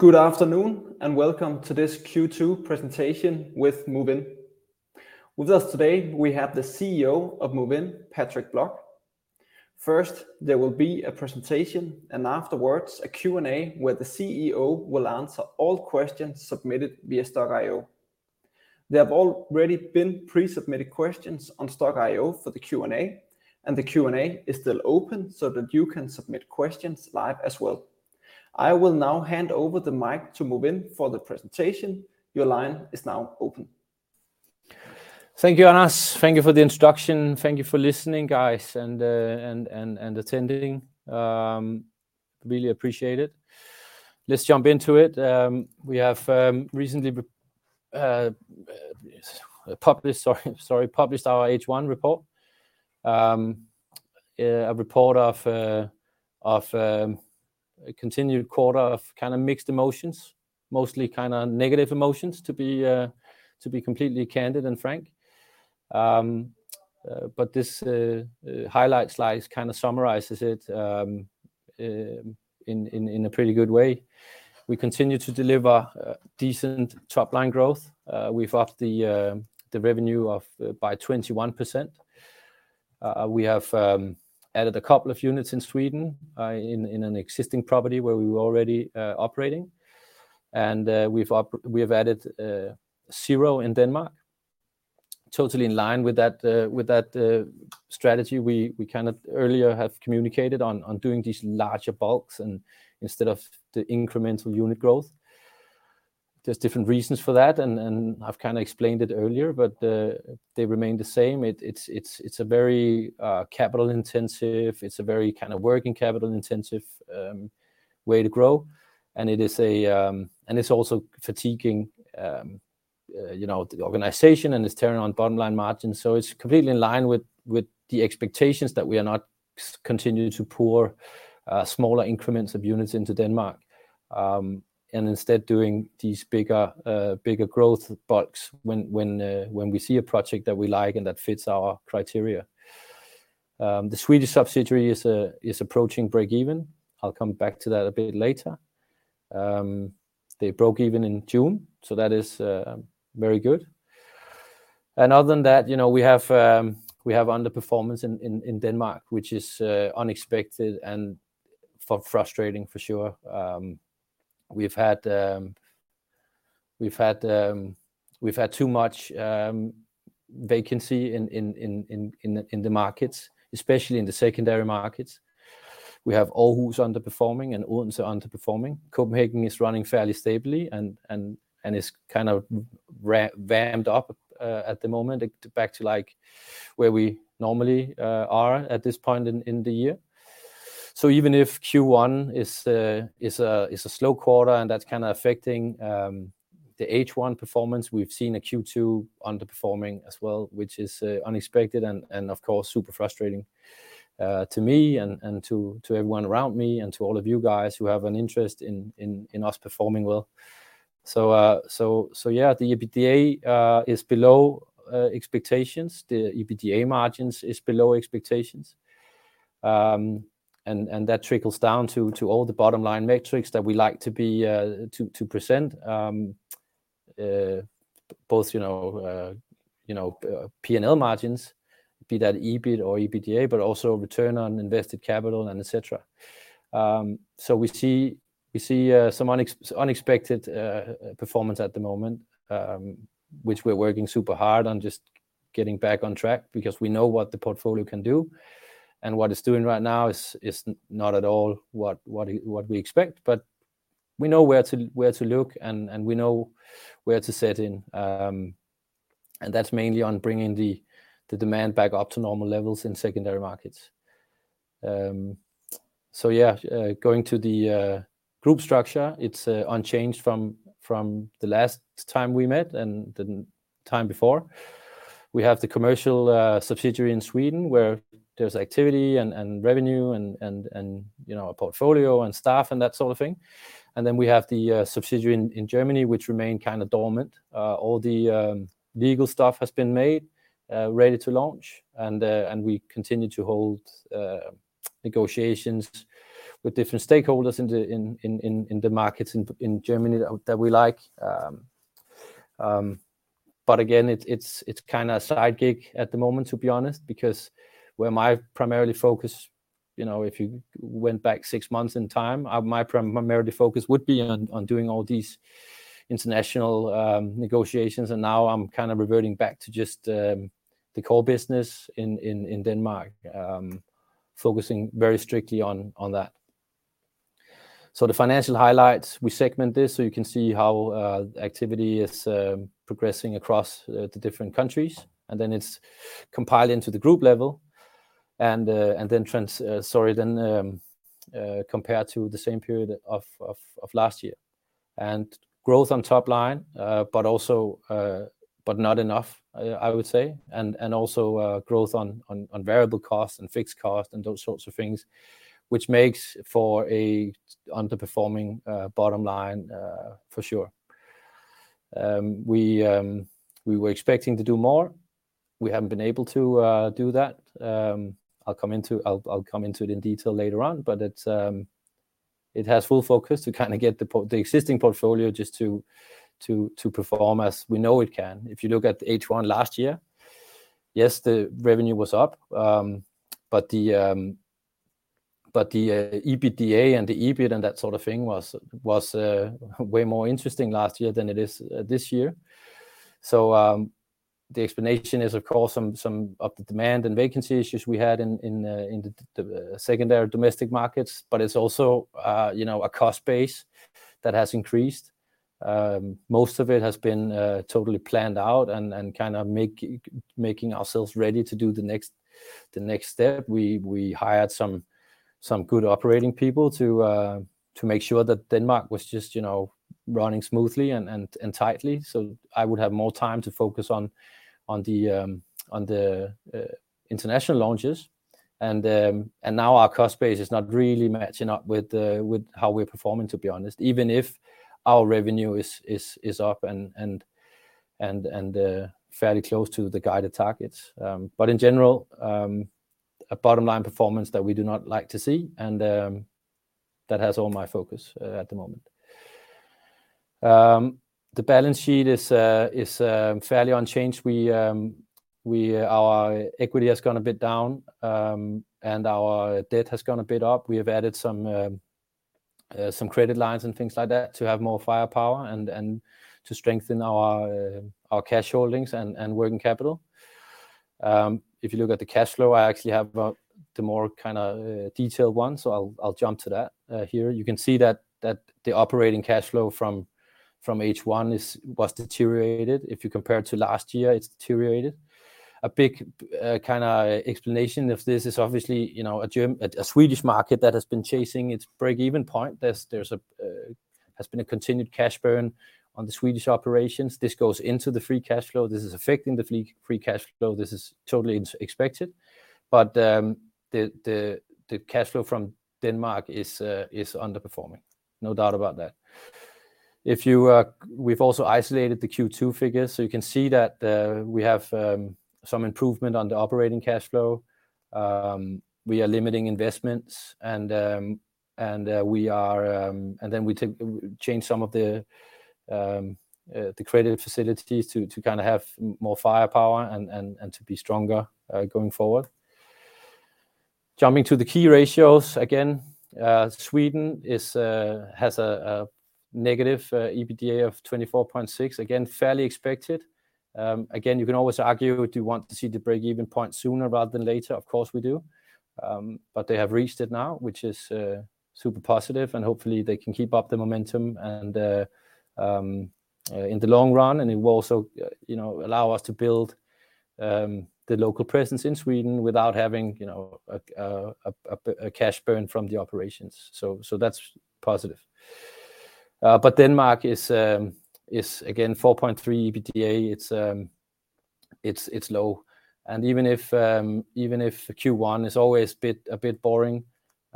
Good afternoon, and welcome to this Q2 presentation with Movinn. With us today, we have the CEO of Movinn, Patrick Blok. First, there will be a presentation, and afterwards, a Q&A, where the CEO will answer all questions submitted via Stokk.io. There have already been pre-submitted questions on Stokk.io for the Q&A, and the Q&A is still open so that you can submit questions live as well. I will now hand over the mic to Movinn for the presentation. Your line is now open. Thank you, Anas. Thank you for the introduction. Thank you for listening, guys, and attending. Really appreciate it. Let's jump into it. We have recently published our H1 report. A report of a continued quarter of kind of mixed emotions, mostly kind of negative emotions to be completely candid and frank. But this highlight slide kind of summarizes it in a pretty good way. We continue to deliver decent top-line growth. We've upped the revenue by 21%. We have added a couple of units in Sweden, in an existing property where we were already operating. And we have added zero in Denmark. Totally in line with that strategy we kind of earlier have communicated on, doing these larger bulks and instead of the incremental unit growth. There's different reasons for that, and I've kind of explained it earlier, but they remain the same. It's a very capital-intensive, very kind of working capital-intensive way to grow, and it is a. And it's also fatiguing, you know, the organization, and it's tearing on bottom-line margins. So it's completely in line with the expectations that we are not continuing to pour smaller increments of units into Denmark, and instead doing these bigger growth bulks when we see a project that we like and that fits our criteria. The Swedish subsidiary is approaching breakeven. I'll come back to that a bit later. They broke even in June, so that is very good. And other than that, you know, we have underperformance in Denmark, which is unexpected and frustrating for sure. We've had too much vacancy in the markets, especially in the secondary markets. We have Aarhus underperforming and Odense underperforming. Copenhagen is running fairly stably and is kind of ramped up at the moment, back to, like, where we normally are at this point in the year. So even if Q1 is a slow quarter and that's kind of affecting the H1 performance, we've seen a Q2 underperforming as well, which is unexpected and, of course, super frustrating to me and to everyone around me, and to all of you guys who have an interest in us performing well. So, yeah, the EBITDA is below expectations. The EBITDA margins is below expectations. And that trickles down to all the bottom-line metrics that we like to present. Both, you know, P&L margins, be that EBIT or EBITDA, but also return on invested capital and et cetera. So we see some unexpected performance at the moment, which we're working super hard on just getting back on track, because we know what the portfolio can do, and what it's doing right now is not at all what we expect. But we know where to look, and we know where to set in. And that's mainly on bringing the demand back up to normal levels in secondary markets. So yeah, going to the group structure, it's unchanged from the last time we met and the time before. We have the commercial subsidiary in Sweden, where there's activity and revenue and, you know, a portfolio and staff and that sort of thing. And then we have the subsidiary in Germany, which remain kind of dormant. All the legal stuff has been made ready to launch, and we continue to hold negotiations with different stakeholders in the markets in Germany that we like. But again, it's kind of a side gig at the moment, to be honest, because where my primary focus, you know, if you went back six months in time, my primary focus would be on doing all these international negotiations, and now I'm kind of reverting back to just the core business in Denmark, focusing very strictly on that. So the financial highlights, we segment this so you can see how activity is progressing across the different countries, and then it's compiled into the group level, and then compared to the same period of last year. And growth on top line, but also, but not enough, I would say, and also growth on variable costs and fixed costs and those sorts of things, which makes for a underperforming bottom line for sure.... We were expecting to do more. We haven't been able to do that. I'll come into it in detail later on, but it has full focus to kind of get the existing portfolio just to perform as we know it can. If you look at H1 last year, yes, the revenue was up, but the EBITDA and the EBIT and that sort of thing was way more interesting last year than it is this year. So, the explanation is, of course, some of the demand and vacancy issues we had in the secondary domestic markets, but it's also, you know, a cost base that has increased. Most of it has been totally planned out and kind of making ourselves ready to do the next step. We hired some good operating people to make sure that Denmark was just, you know, running smoothly and tightly. So I would have more time to focus on the international launches. And now our cost base is not really matching up with how we're performing, to be honest, even if our revenue is up and fairly close to the guided targets. But in general, a bottom-line performance that we do not like to see, and that has all my focus at the moment. The balance sheet is fairly unchanged. Our equity has gone a bit down, and our debt has gone a bit up. We have added some credit lines and things like that to have more firepower and to strengthen our cash holdings and working capital. If you look at the cash flow, I actually have the more kind of detailed one, so I'll jump to that. Here you can see that the operating cash flow from H1 was deteriorated. If you compare it to last year, it's deteriorated. A big kind of explanation of this is obviously, you know, a Swedish market that has been chasing its break-even point. There has been a continued cash burn on the Swedish operations. This goes into the free cash flow. This is affecting the free cash flow. This is totally expected, but the cash flow from Denmark is underperforming, no doubt about that. We've also isolated the Q2 figures, so you can see that we have some improvement on the operating cash flow. We are limiting investments, and we are. And then we took changed some of the credit facilities to kind of have more firepower and to be stronger going forward. Jumping to the key ratios again, Sweden has a negative EBITDA of 24.6. Again, fairly expected. Again, you can always argue, do you want to see the break-even point sooner rather than later? Of course we do. But they have reached it now, which is super positive, and hopefully they can keep up the momentum and in the long run, and it will also, you know, allow us to build the local presence in Sweden without having, you know, a cash burn from the operations. So that's positive. But Denmark is again 4.3 EBITDA. It's low, and even if Q1 is always a bit boring,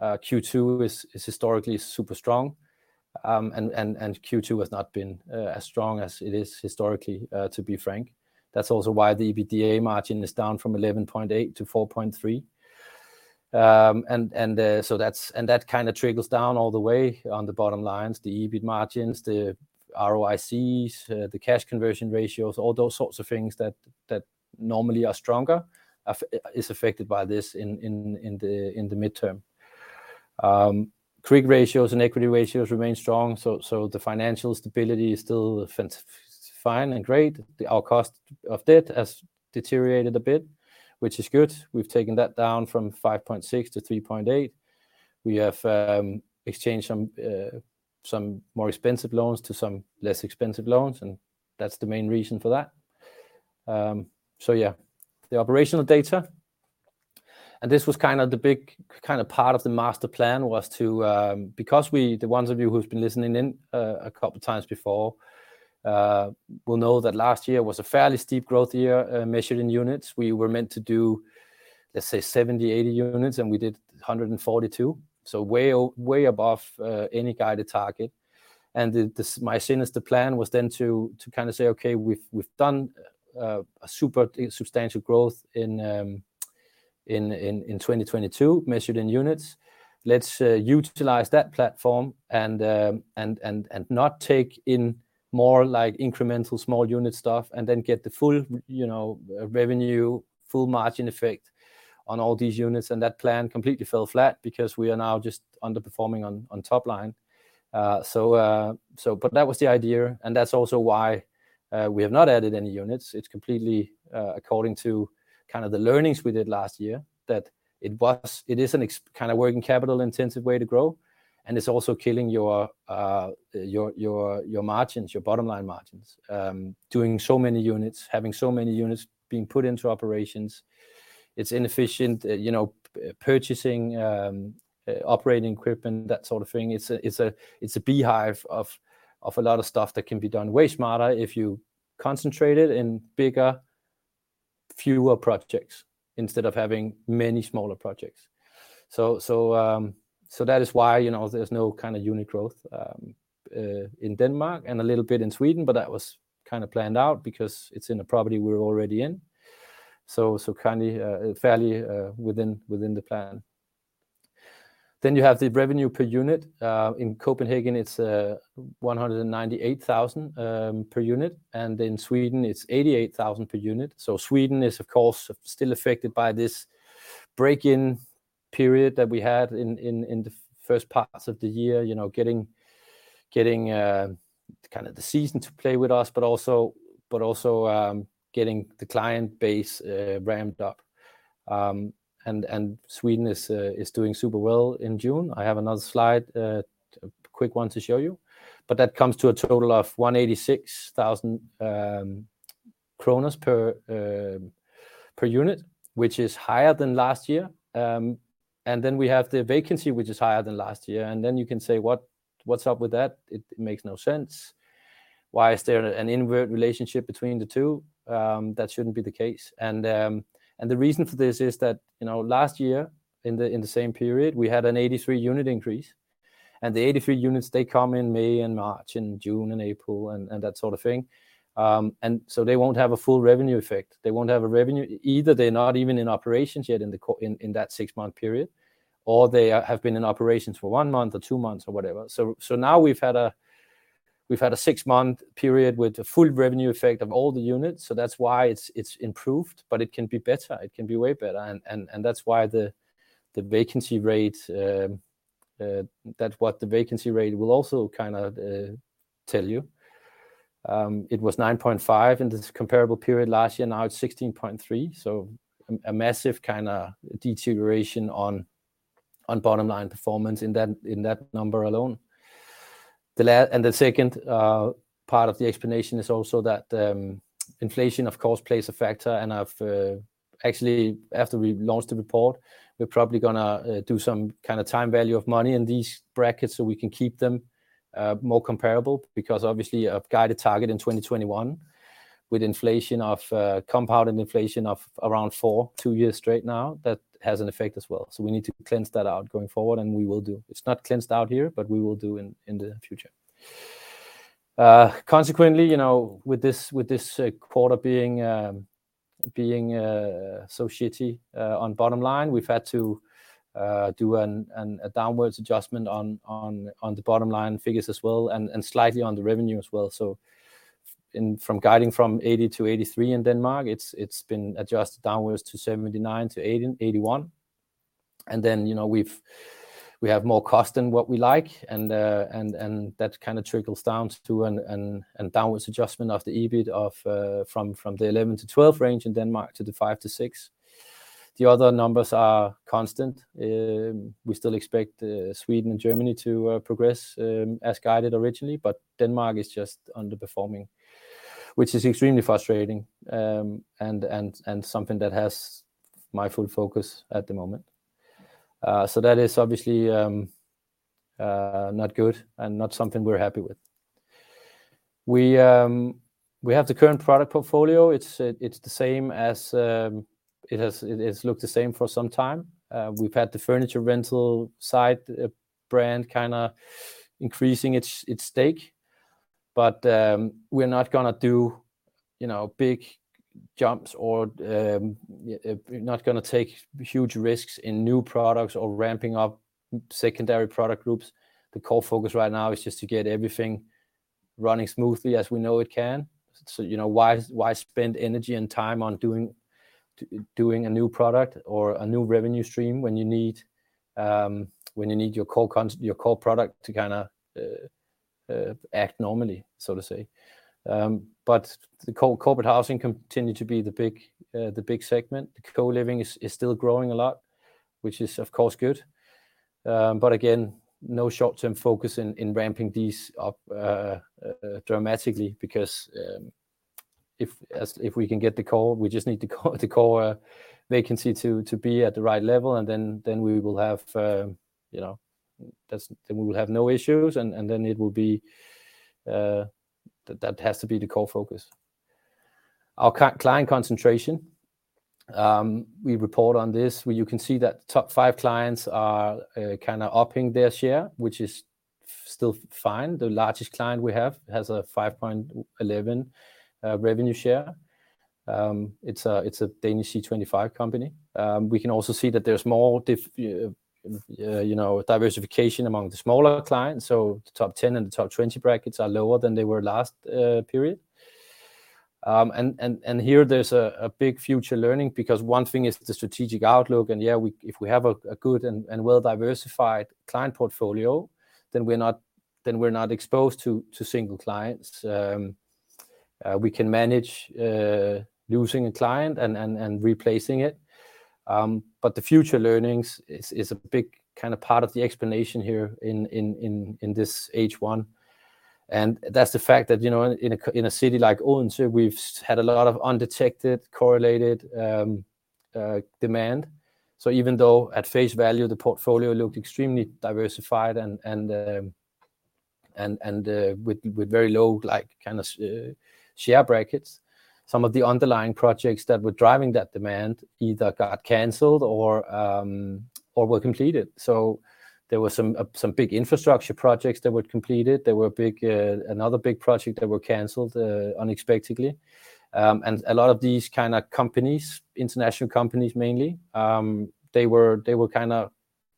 Q2 is historically super strong. And Q2 has not been as strong as it is historically, to be frank. That's also why the EBITDA margin is down from 11.8% to 4.3%. That kind of trickles down all the way on the bottom lines, the EBIT margins, the ROICs, the cash conversion ratios, all those sorts of things that normally are stronger is affected by this in the midterm. Quick ratios and equity ratios remain strong, so the financial stability is still fine and great. Our cost of debt has deteriorated a bit, which is good. We've taken that down from 5.6 to 3.8. We have exchanged some more expensive loans to some less expensive loans, and that's the main reason for that. The operational data, and this was kind of the big, kind of part of the master plan, was to... Because we, the ones of you who've been listening in, a couple times before, will know that last year was a fairly steep growth year, measured in units. We were meant to do, let's say, 70, 80 units, and we did 142, so way above any guided target. And my sinister plan was then to kind of say, "Okay, we've done a super substantial growth in 2022 measured in units. Let's utilize that platform and not take in more like incremental small unit stuff, and then get the full, you know, revenue, full margin effect on all these units." And that plan completely fell flat because we are now just underperforming on top line. So, but that was the idea, and that's also why we have not added any units. It's completely according to kind of the learnings we did last year, that it is a kind of working capital-intensive way to grow, and it's also killing your margins, your bottom-line margins. Doing so many units, having so many units being put into operations, it's inefficient. You know, purchasing operating equipment, that sort of thing. It's a beehive of a lot of stuff that can be done way smarter if you concentrate it in fewer projects instead of having many smaller projects. That is why, you know, there's no kind of unit growth in Denmark, and a little bit in Sweden, but that was kind of planned out because it's in a property we're already in. So, kind of fairly, within the plan. Then you have the revenue per unit. In Copenhagen, it's 198 thousand per unit, and in Sweden, it's 88 thousand per unit. So Sweden is, of course, still affected by this break-in period that we had in the first parts of the year. You know, getting kind of the season to play with us, but also getting the client base ramped up. And Sweden is doing super well in June. I have another slide, a quick one to show you, but that comes to a total of 186,000 kroner per unit, which is higher than last year. And then we have the vacancy, which is higher than last year, and then you can say, "What? What's up with that? It makes no sense. Why is there an inverse relationship between the two? That shouldn't be the case." And the reason for this is that, you know, last year in the same period, we had an 83-unit increase, and the 83 units, they come in May and March, and June and April, and that sort of thing. And so they won't have a full revenue effect. They won't have a revenue—either they're not even in operations yet in that six-month period, or they have been in operations for one month or two months or whatever. So now we've had a six-month period with the full revenue effect of all the units, so that's why it's improved, but it can be better. It can be way better, and that's why the vacancy rate that's what the vacancy rate will also kind of tell you. It was 9.5 in the comparable period last year, now it's 16.3, so a massive kind of deterioration on bottom line performance in that number alone. And the second part of the explanation is also that, inflation, of course, plays a factor, and I've... Actually, after we've launched the report, we're probably gonna do some kind of time value of money in these brackets so we can keep them more comparable, because obviously a guided target in 2021 with inflation of, compounded inflation of around 4, 2 years straight now, that has an effect as well. So we need to cleanse that out going forward, and we will do. It's not cleansed out here, but we will do in the future We still expect Sweden and Germany to progress as guided originally, but Denmark is just underperforming, which is extremely frustrating, and something that has my full focus at the moment. So that is obviously not good and not something we're happy with. We have the current product portfolio. It's the same as it has looked the same for some time. We've had the furniture rental side brand kind of increasing its stake, but we're not gonna do, you know, big jumps or we're not gonna take huge risks in new products or ramping up secondary product groups. The core focus right now is just to get everything running smoothly as we know it can. So, you know, why spend energy and time on doing a new product or a new revenue stream when you need your core product to kind of act normally, so to say? But the corporate housing continue to be the big segment. The co-living is still growing a lot, which is, of course, good. But again, no short-term focus in ramping these up dramatically because if we can get the core, we just need the core, the core vacancy to be at the right level, and then we will have, you know, then we will have no issues, and then it will be that has to be the core focus. Our client concentration. We report on this, where you can see that top 5 clients are kind of upping their share, which is still fine. The largest client we have has a 5.11 revenue share. It's a Danish C25 company. We can also see that there's more you know, diversification among the smaller clients, so the top 10 and the top 20 brackets are lower than they were last period. And here there's a big future learning because one thing is the strategic outlook, and yeah, if we have a good and well-diversified client portfolio, then we're not exposed to single clients. We can manage losing a client and replacing it. But the future learnings is a big kind of part of the explanation here in this H1, and that's the fact that, you know, in a city like Odense, we've had a lot of undetected, correlated demand. So even though at face value, the portfolio looked extremely diversified and with very low, like, kind of share brackets. Some of the underlying projects that were driving that demand either got canceled or were completed. So there were some big infrastructure projects that were completed. There were big, another big project that were canceled unexpectedly. And a lot of these kind of companies, international companies mainly, they were kind of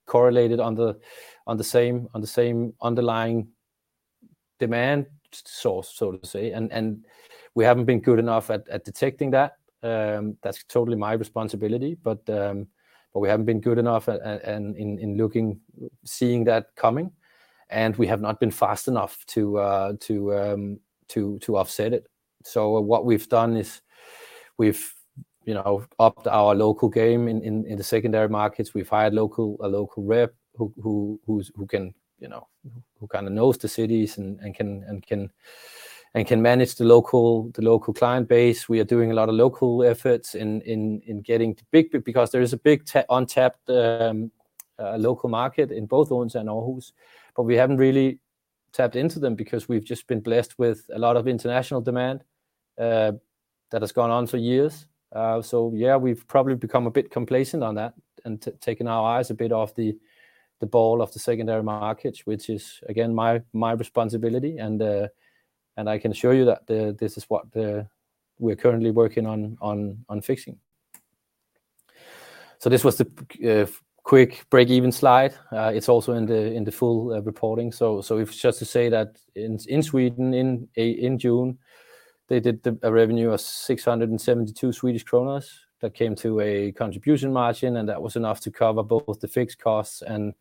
correlated on the same underlying demand source, so to say. And we haven't been good enough at detecting that. That's totally my responsibility, but we haven't been good enough at looking, seeing that coming, and we have not been fast enough to offset it. So what we've done is we've, you know, upped our local game in the secondary markets. We've hired a local rep who can, you know, who kind of knows the cities and can manage the local client base. We are doing a lot of local efforts in getting big because there is a big untapped local market in both Odense and Aarhus, but we haven't really tapped into them because we've just been blessed with a lot of international demand that has gone on for years. So yeah, we've probably become a bit complacent on that and taken our eyes a bit off the ball of the secondary markets, which is, again, my responsibility. And I can assure you that this is what we're currently working on fixing. So this was the quick break-even slide. It's also in the full reporting. So it's just to say that in Sweden, in June, they did a revenue of 672. That came to a contribution margin, and that was enough to cover both the fixed costs and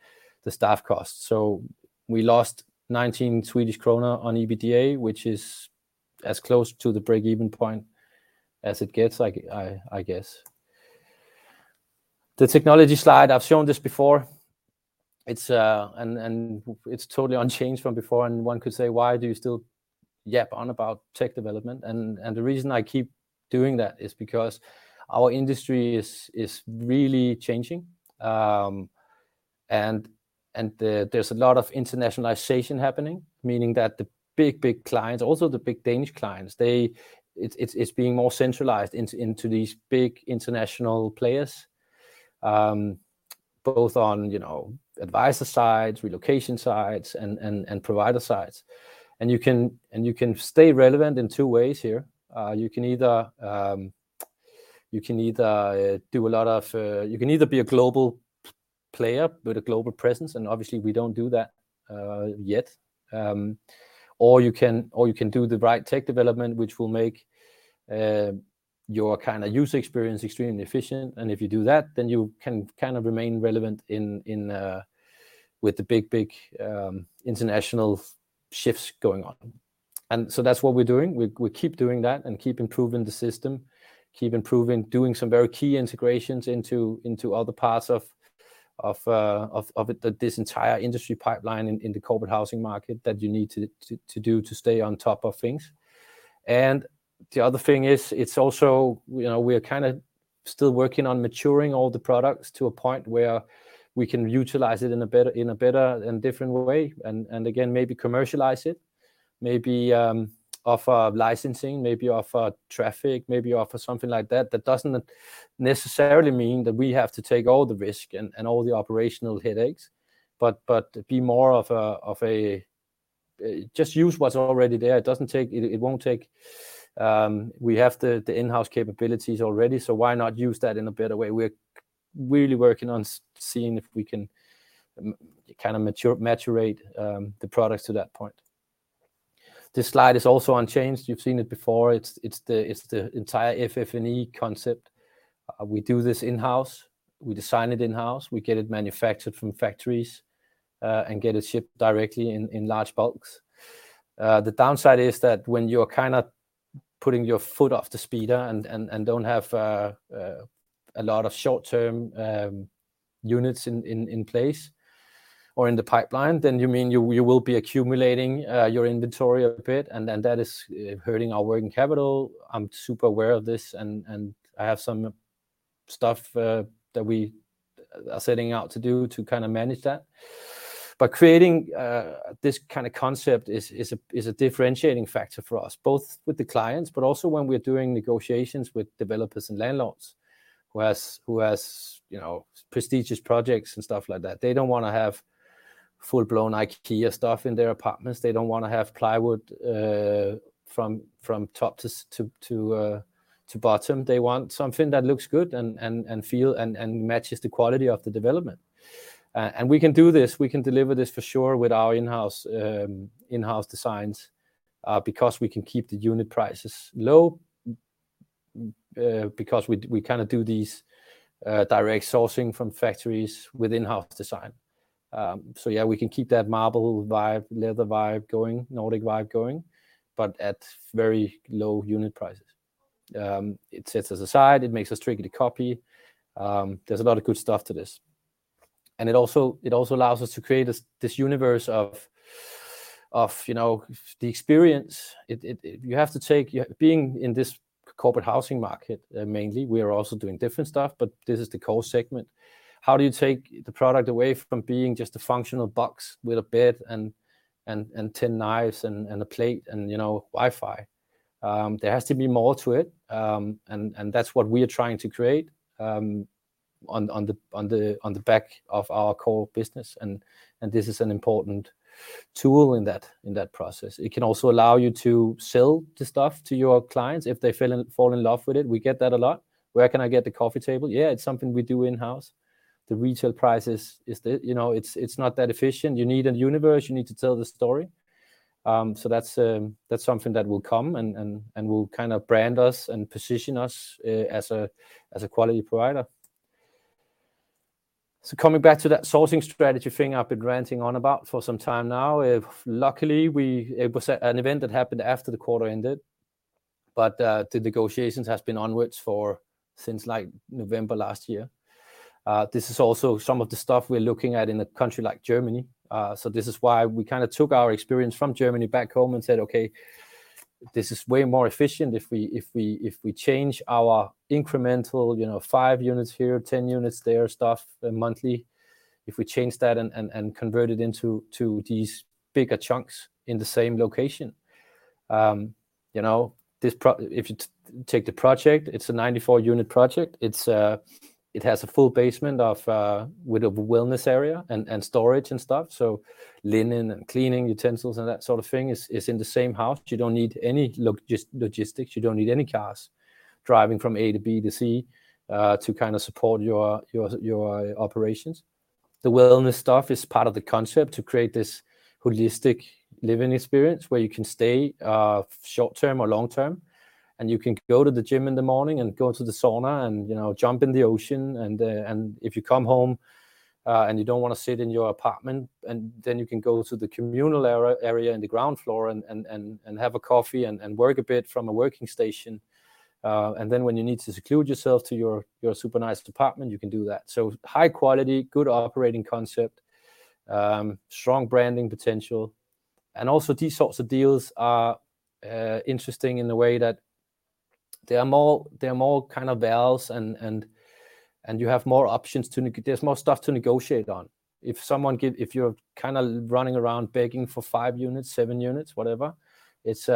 the staff costs. So we lost 19 Swedish krona on EBITDA, which is as close to the break-even point as it gets, like, I guess. The technology slide, I've shown this before. It's and it's totally unchanged from before, and one could say: "Why do you still yap on about tech development?" And the reason I keep doing that is because our industry is really changing. There's a lot of internationalization happening, meaning that the big, big clients, also the big Danish clients, they... It's being more centralized into these big international players. Both on, you know, advisor sides, relocation sides, and provider sides. You can stay relevant in two ways here. You can either be a global player with a global presence, and obviously we don't do that yet. Or you can do the right tech development, which will make your kind of user experience extremely efficient. And if you do that, then you can kind of remain relevant with the big international shifts going on. So that's what we're doing. We keep doing that and keep improving the system, keep improving, doing some very key integrations into other parts of this entire industry pipeline in the corporate housing market that you need to do to stay on top of things. And the other thing is, it's also, you know, we are kind of still working on maturing all the products to a point where we can utilize it in a better, in a better and different way, and again, maybe commercialize it. Maybe, offer licensing, maybe offer traffic, maybe offer something like that. That doesn't necessarily mean that we have to take all the risk and all the operational headaches, but be more of a, of a... Just use what's already there. It doesn't take, it won't take. We have the in-house capabilities already, so why not use that in a better way? We're really working on seeing if we can kind of mature the products to that point. This slide is also unchanged. You've seen it before. It's the entire FF&E concept. We do this in-house. We design it in-house, we get it manufactured from factories, and get it shipped directly in large bulks. The downside is that when you're kind of putting your foot off the speeder and don't have a lot of short-term units in place or in the pipeline, then you mean you will be accumulating your inventory a bit, and then that is hurting our working capital. I'm super aware of this and I have some stuff that we are setting out to do to kind of manage that. But creating this kind of concept is a differentiating factor for us, both with the clients but also when we're doing negotiations with developers and landlords who have, you know, prestigious projects and stuff like that. They don't wanna have full-blown IKEA stuff in their apartments. They don't wanna have plywood from top to bottom. They want something that looks good and feels and matches the quality of the development. And we can do this. We can deliver this for sure with our in-house, in-house designs, because we can keep the unit prices low, because we, we kind of do these, direct sourcing from factories with in-house design. So yeah, we can keep that marble vibe, leather vibe going, Nordic vibe going, but at very low unit prices. It sets us aside, it makes us tricky to copy. There's a lot of good stuff to this. And it also, it also allows us to create this, this universe of, of, you know, the experience. It, it, you have to take... Your, being in this-... corporate housing market, mainly. We are also doing different stuff, but this is the core segment. How do you take the product away from being just a functional box with a bed and 10 knives and a plate and, you know, Wi-Fi? There has to be more to it, and that's what we are trying to create, on the back of our core business, and this is an important tool in that process. It can also allow you to sell the stuff to your clients if they fall in love with it. We get that a lot. "Where can I get the coffee table?" Yeah, it's something we do in-house. The retail price is the... You know, it's not that efficient. You need a universe. You need to tell the story. So that's, that's something that will come, and will kind of brand us and position us, as a quality provider. So coming back to that sourcing strategy thing I've been ranting on about for some time now, if luckily, it was an event that happened after the quarter ended, but, the negotiations has been onwards for since like November last year. This is also some of the stuff we're looking at in a country like Germany. So this is why we kind of took our experience from Germany back home and said, "Okay, this is way more efficient if we change our incremental, you know, 5 units here, 10 units there stuff monthly, if we change that and convert it into these bigger chunks in the same location." You know, this project, if you take the project, it's a 94-unit project. It's, it has a full basement with a wellness area and storage and stuff, so linen and cleaning utensils and that sort of thing is in the same house. You don't need any logistics. You don't need any cars driving from A to B to C to kind of support your operations. The wellness stuff is part of the concept to create this holistic living experience, where you can stay short term or long term, and you can go to the gym in the morning and go to the sauna and, you know, jump in the ocean. And if you come home, and you don't want to sit in your apartment, and then you can go to the communal area in the ground floor and have a coffee and work a bit from a working station. And then when you need to seclude yourself to your super nice apartment, you can do that. So high quality, good operating concept, strong branding potential, and also these sorts of deals are interesting in the way that they are more, they are more kind of valuable and you have more options to negotiate on. If you're kind of running around begging for five units, seven units, whatever, it's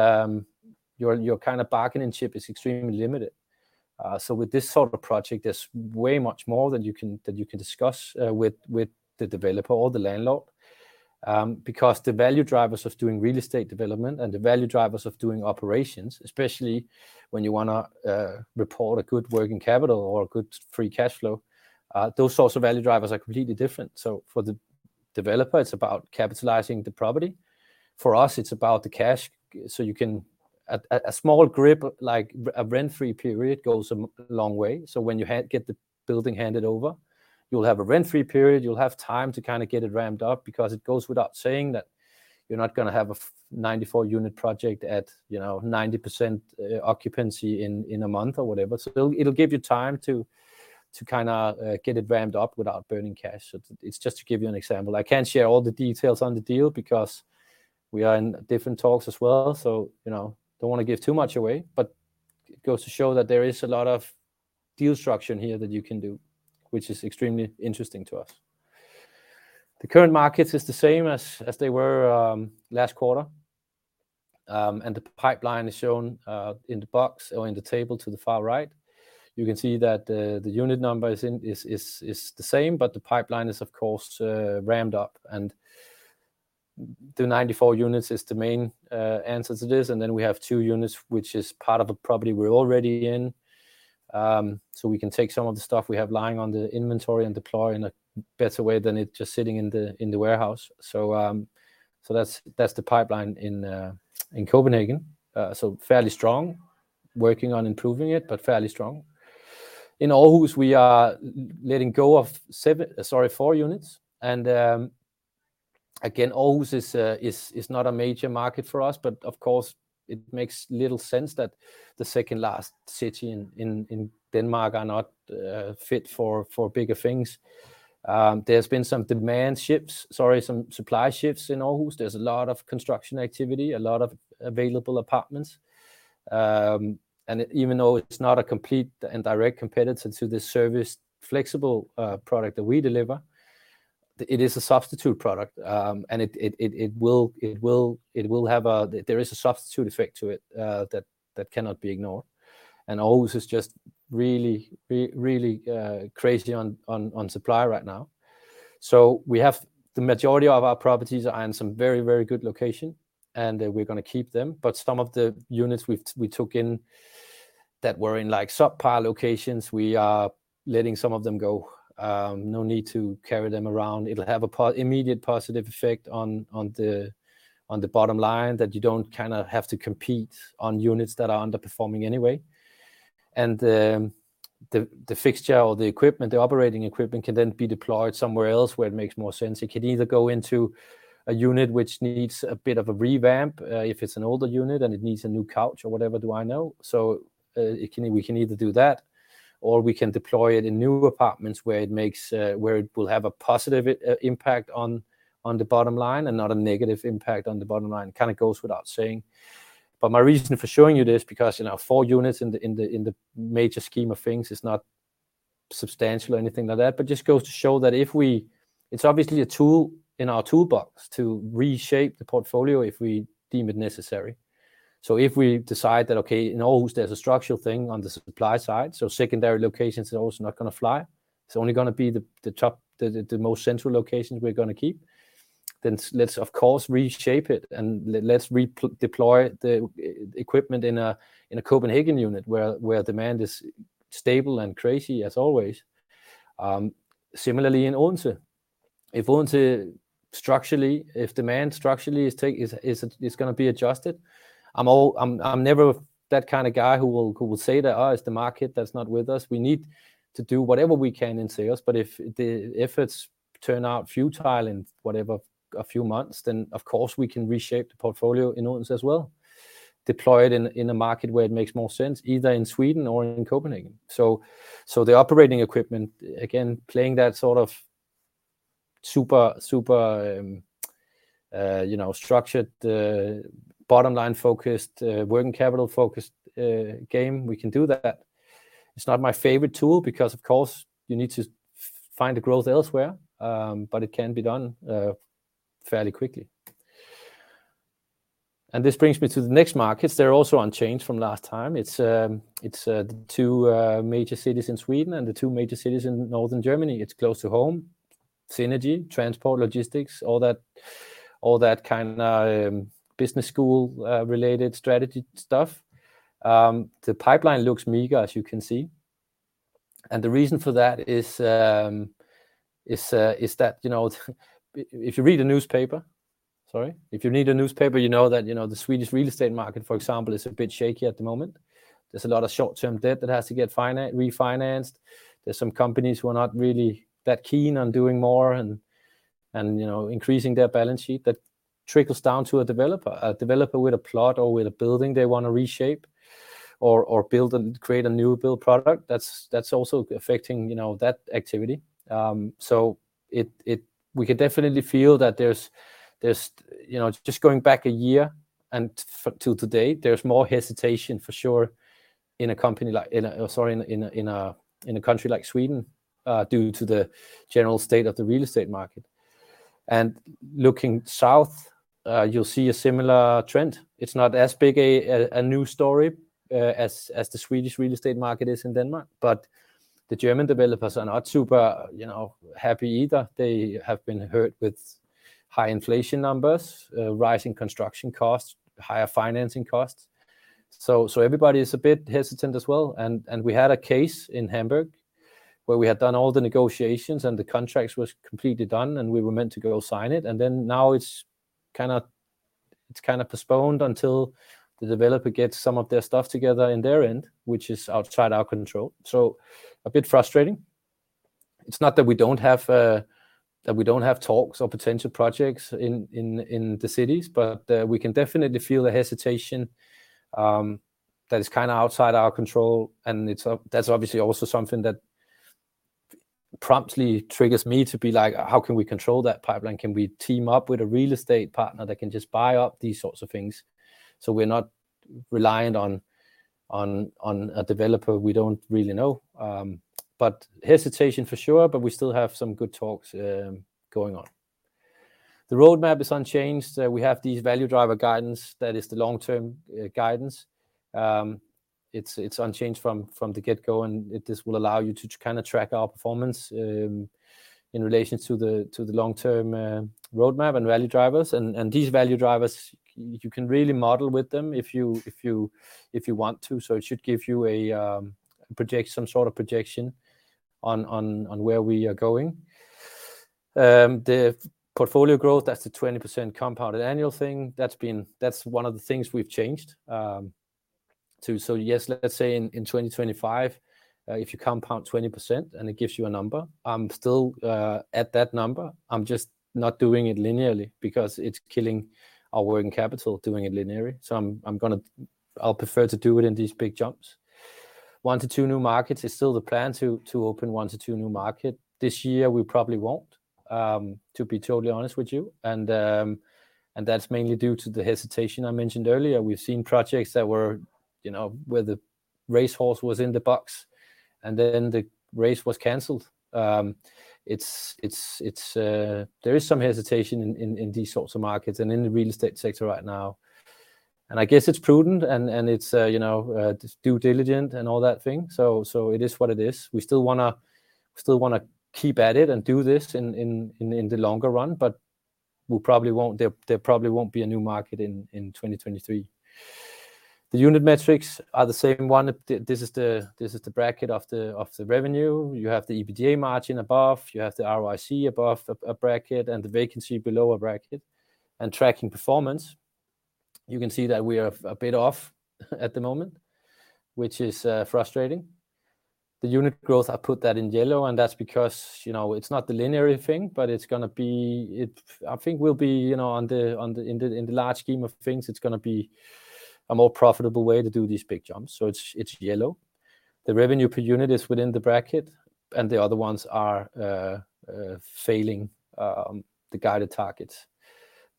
your kind of bargaining chip is extremely limited. So with this sort of project, there's way much more that you can discuss with the developer or the landlord. Because the value drivers of doing real estate development and the value drivers of doing operations, especially when you wanna report a good working capital or a good free cash flow, those sorts of value drivers are completely different. So for the developer, it's about capitalizing the property. For us, it's about the cash. So you can a small grip, like a rent-free period, goes a long way. So when you get the building handed over, you'll have a rent-free period. You'll have time to kind of get it ramped up, because it goes without saying that you're not gonna have a ninety-four-unit project at, you know, 90% occupancy in a month or whatever. So it'll give you time to kind of get it ramped up without burning cash. So it's just to give you an example. I can't share all the details on the deal because we are in different talks as well. So, you know, don't wanna give too much away, but it goes to show that there is a lot of deal structure in here that you can do, which is extremely interesting to us. The current markets is the same as they were last quarter. And the pipeline is shown in the box or in the table to the far right. You can see that the unit number is the same, but the pipeline is of course ramped up, and the 94 units is the main answer to this. And then we have 2 units, which is part of a property we're already in. So we can take some of the stuff we have lying on the inventory and deploy in a better way than it just sitting in the warehouse. So, that's the pipeline in Copenhagen. So fairly strong. Working on improving it, but fairly strong. In Aarhus, we are letting go of seven, sorry, four units, and again, Aarhus is not a major market for us, but of course, it makes little sense that the second-largest city in Denmark are not fit for bigger things. There's been some demand shifts, sorry, some supply shifts in Aarhus. There's a lot of construction activity, a lot of available apartments. And even though it's not a complete and direct competitor to the service, flexible product that we deliver, it is a substitute product. And it will have a... There is a substitute effect to it that cannot be ignored, and Aarhus is just really crazy on supply right now. So we have the majority of our properties are in some very, very good location, and we're gonna keep them. But some of the units we've taken in that were in like subpar locations, we are letting some of them go. No need to carry them around. It'll have an immediate positive effect on the bottom line, that you don't kind of have to compete on units that are underperforming anyway. And the fixture or the equipment, the operating equipment, can then be deployed somewhere else where it makes more sense. It can either go into a unit which needs a bit of a revamp, if it's an older unit and it needs a new couch or whatever. So, we can either do that, or we can deploy it in new apartments, where it will have a positive impact on the bottom line and not a negative impact on the bottom line. Kind of goes without saying, but my reason for showing you this, because, you know, four units in the major scheme of things is not substantial or anything like that, but just goes to show that it's obviously a tool in our toolbox to reshape the portfolio if we deem it necessary. So if we decide that, okay, in Aarhus there's a structural thing on the supply side, so secondary locations in Aarhus are not going to fly, it's only going to be the most central locations we're going to keep, then let's of course reshape it and let's redeploy the equipment in a Copenhagen unit where demand is stable and crazy as always. Similarly in Odense, if Odense structurally, if demand structurally is going to be adjusted, I'm never that kind of guy who will say that, "Oh, it's the market that's not with us." We need to do whatever we can in sales, but if the efforts turn out futile in whatever, a few months, then of course we can reshape the portfolio in Odense as well. Deploy it in a market where it makes more sense, either in Sweden or in Copenhagen. So the operating equipment, again, playing that sort of super, super, you know, structured, bottom line focused, working capital focused, game, we can do that. It's not my favorite tool because, of course, you need to find the growth elsewhere, but it can be done fairly quickly. And this brings me to the next markets. They're also unchanged from last time. It's, it's the two major cities in Sweden and the two major cities in northern Germany. It's close to home, synergy, transport, logistics, all that, all that kind of business school related strategy stuff. The pipeline looks meager, as you can see, and the reason for that is that, you know, if you read the newspaper, you know that, you know, the Swedish real estate market, for example, is a bit shaky at the moment. There's a lot of short-term debt that has to get refinanced. There's some companies who are not really that keen on doing more and, you know, increasing their balance sheet. That trickles down to a developer. A developer with a plot or with a building they want to reshape or build and create a new build product, that's also affecting, you know, that activity. So it, we can definitely feel that there's, you know, just going back a year and till today, there's more hesitation for sure in a country like Sweden due to the general state of the real estate market. And looking south, you'll see a similar trend. It's not as big a news story as the Swedish real estate market is in Denmark, but the German developers are not super, you know, happy either. They have been hurt with high inflation numbers, rising construction costs, higher financing costs. So everybody is a bit hesitant as well. We had a case in Hamburg where we had done all the negotiations and the contracts was completely done, and we were meant to go sign it, and then now it's kind of postponed until the developer gets some of their stuff together in their end, which is outside our control. So a bit frustrating. It's not that we don't have talks or potential projects in the cities, but we can definitely feel the hesitation that is kind of outside our control, and that's obviously also something that promptly triggers me to be like, "How can we control that pipeline? Can we team up with a real estate partner that can just buy up these sorts of things so we're not reliant on a developer we don't really know?" But hesitation for sure, but we still have some good talks going on. The roadmap is unchanged. We have these value driver guidance. That is the long-term guidance. It's unchanged from the get-go, and it... this will allow you to kind of track our performance in relation to the long-term roadmap and value drivers. And these value drivers, you can really model with them if you want to. So it should give you a projection, some sort of projection on where we are going. The portfolio growth, that's the 20% compounded annual thing. That's been... That's one of the things we've changed. So yes, let's say in 2025, if you compound 20% and it gives you a number, I'm still at that number. I'm just not doing it linearly because it's killing our working capital, doing it linearly. So I'm gonna. I'll prefer to do it in these big jumps. 1-2 new markets is still the plan, to open 1-2 new markets. This year, we probably won't, to be totally honest with you, and that's mainly due to the hesitation I mentioned earlier. We've seen projects that were, you know, where the racehorse was in the box, and then the race was canceled. It's, it's there is some hesitation in these sorts of markets and in the real estate sector right now, and I guess it's prudent and it's you know due diligence and all that thing. So it is what it is. We still wanna keep at it and do this in the longer run, but we probably won't, there probably won't be a new market in 2023. The unit metrics are the same one. This is the bracket of the revenue. You have the EBITDA margin above, you have the ROIC above a bracket, and the vacancy below a bracket. Tracking performance, you can see that we are a bit off at the moment, which is frustrating. The unit growth, I put that in yellow, and that's because, you know, it's not the linear thing, but it's gonna be... it, I think will be, you know, on the, on the, in the, in the large scheme of things, it's gonna be a more profitable way to do these big jumps. So it's, it's yellow. The revenue per unit is within the bracket, and the other ones are failing the guided targets.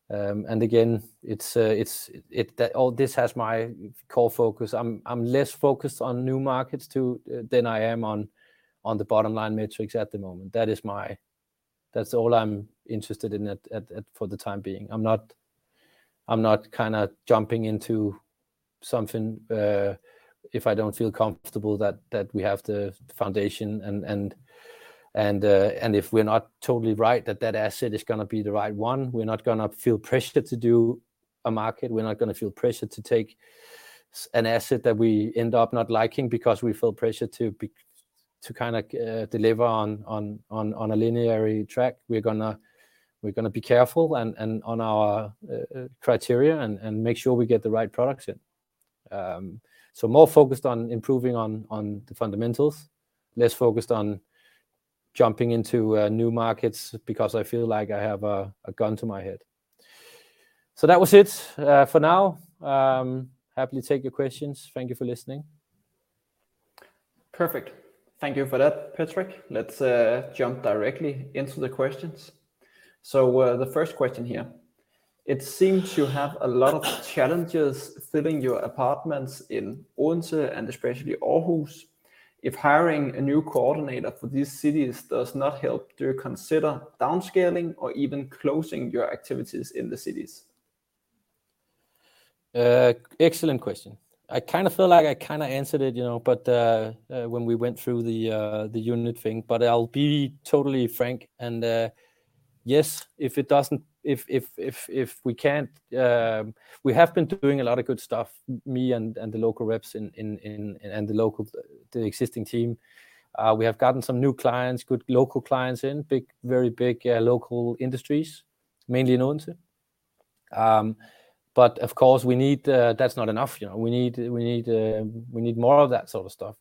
And again, it's, it's that all this has my core focus. I'm less focused on new markets too, than I am on the bottom line metrics at the moment. That is my-- that's all I'm interested in at, at, at, for the time being. I'm not, I'm not kind of jumping into something, if I don't feel comfortable that we have the foundation and if we're not totally right that that asset is gonna be the right one, we're not gonna feel pressured to do a market. We're not gonna feel pressured to take an asset that we end up not liking because we feel pressured to be, to kind of, deliver on a linear track. We're gonna, we're gonna be careful and on our criteria and make sure we get the right products in. So more focused on improving on the fundamentals, less focused on jumping into new markets because I feel like I have a gun to my head. So that was it, for now. Happily take your questions. Thank you for listening. Perfect. Thank you for that, Patrick. Let's jump directly into the questions. So, the first question here: It seems you have a lot of challenges filling your apartments in Odense and especially Aarhus. If hiring a new coordinator for these cities does not help, do you consider downscaling or even closing your activities in the cities? Excellent question. I kind of feel like I kind of answered it, you know, but when we went through the, the unit thing, but I'll be totally frank and, yes, if it doesn't, if we can't... We have been doing a lot of good stuff, me and the local reps in, and the local, the existing team. We have gotten some new clients, good local clients in, big, very big, local industries, mainly in Odense. But of course, we need, that's not enough, you know, we need, we need, we need more of that sort of stuff.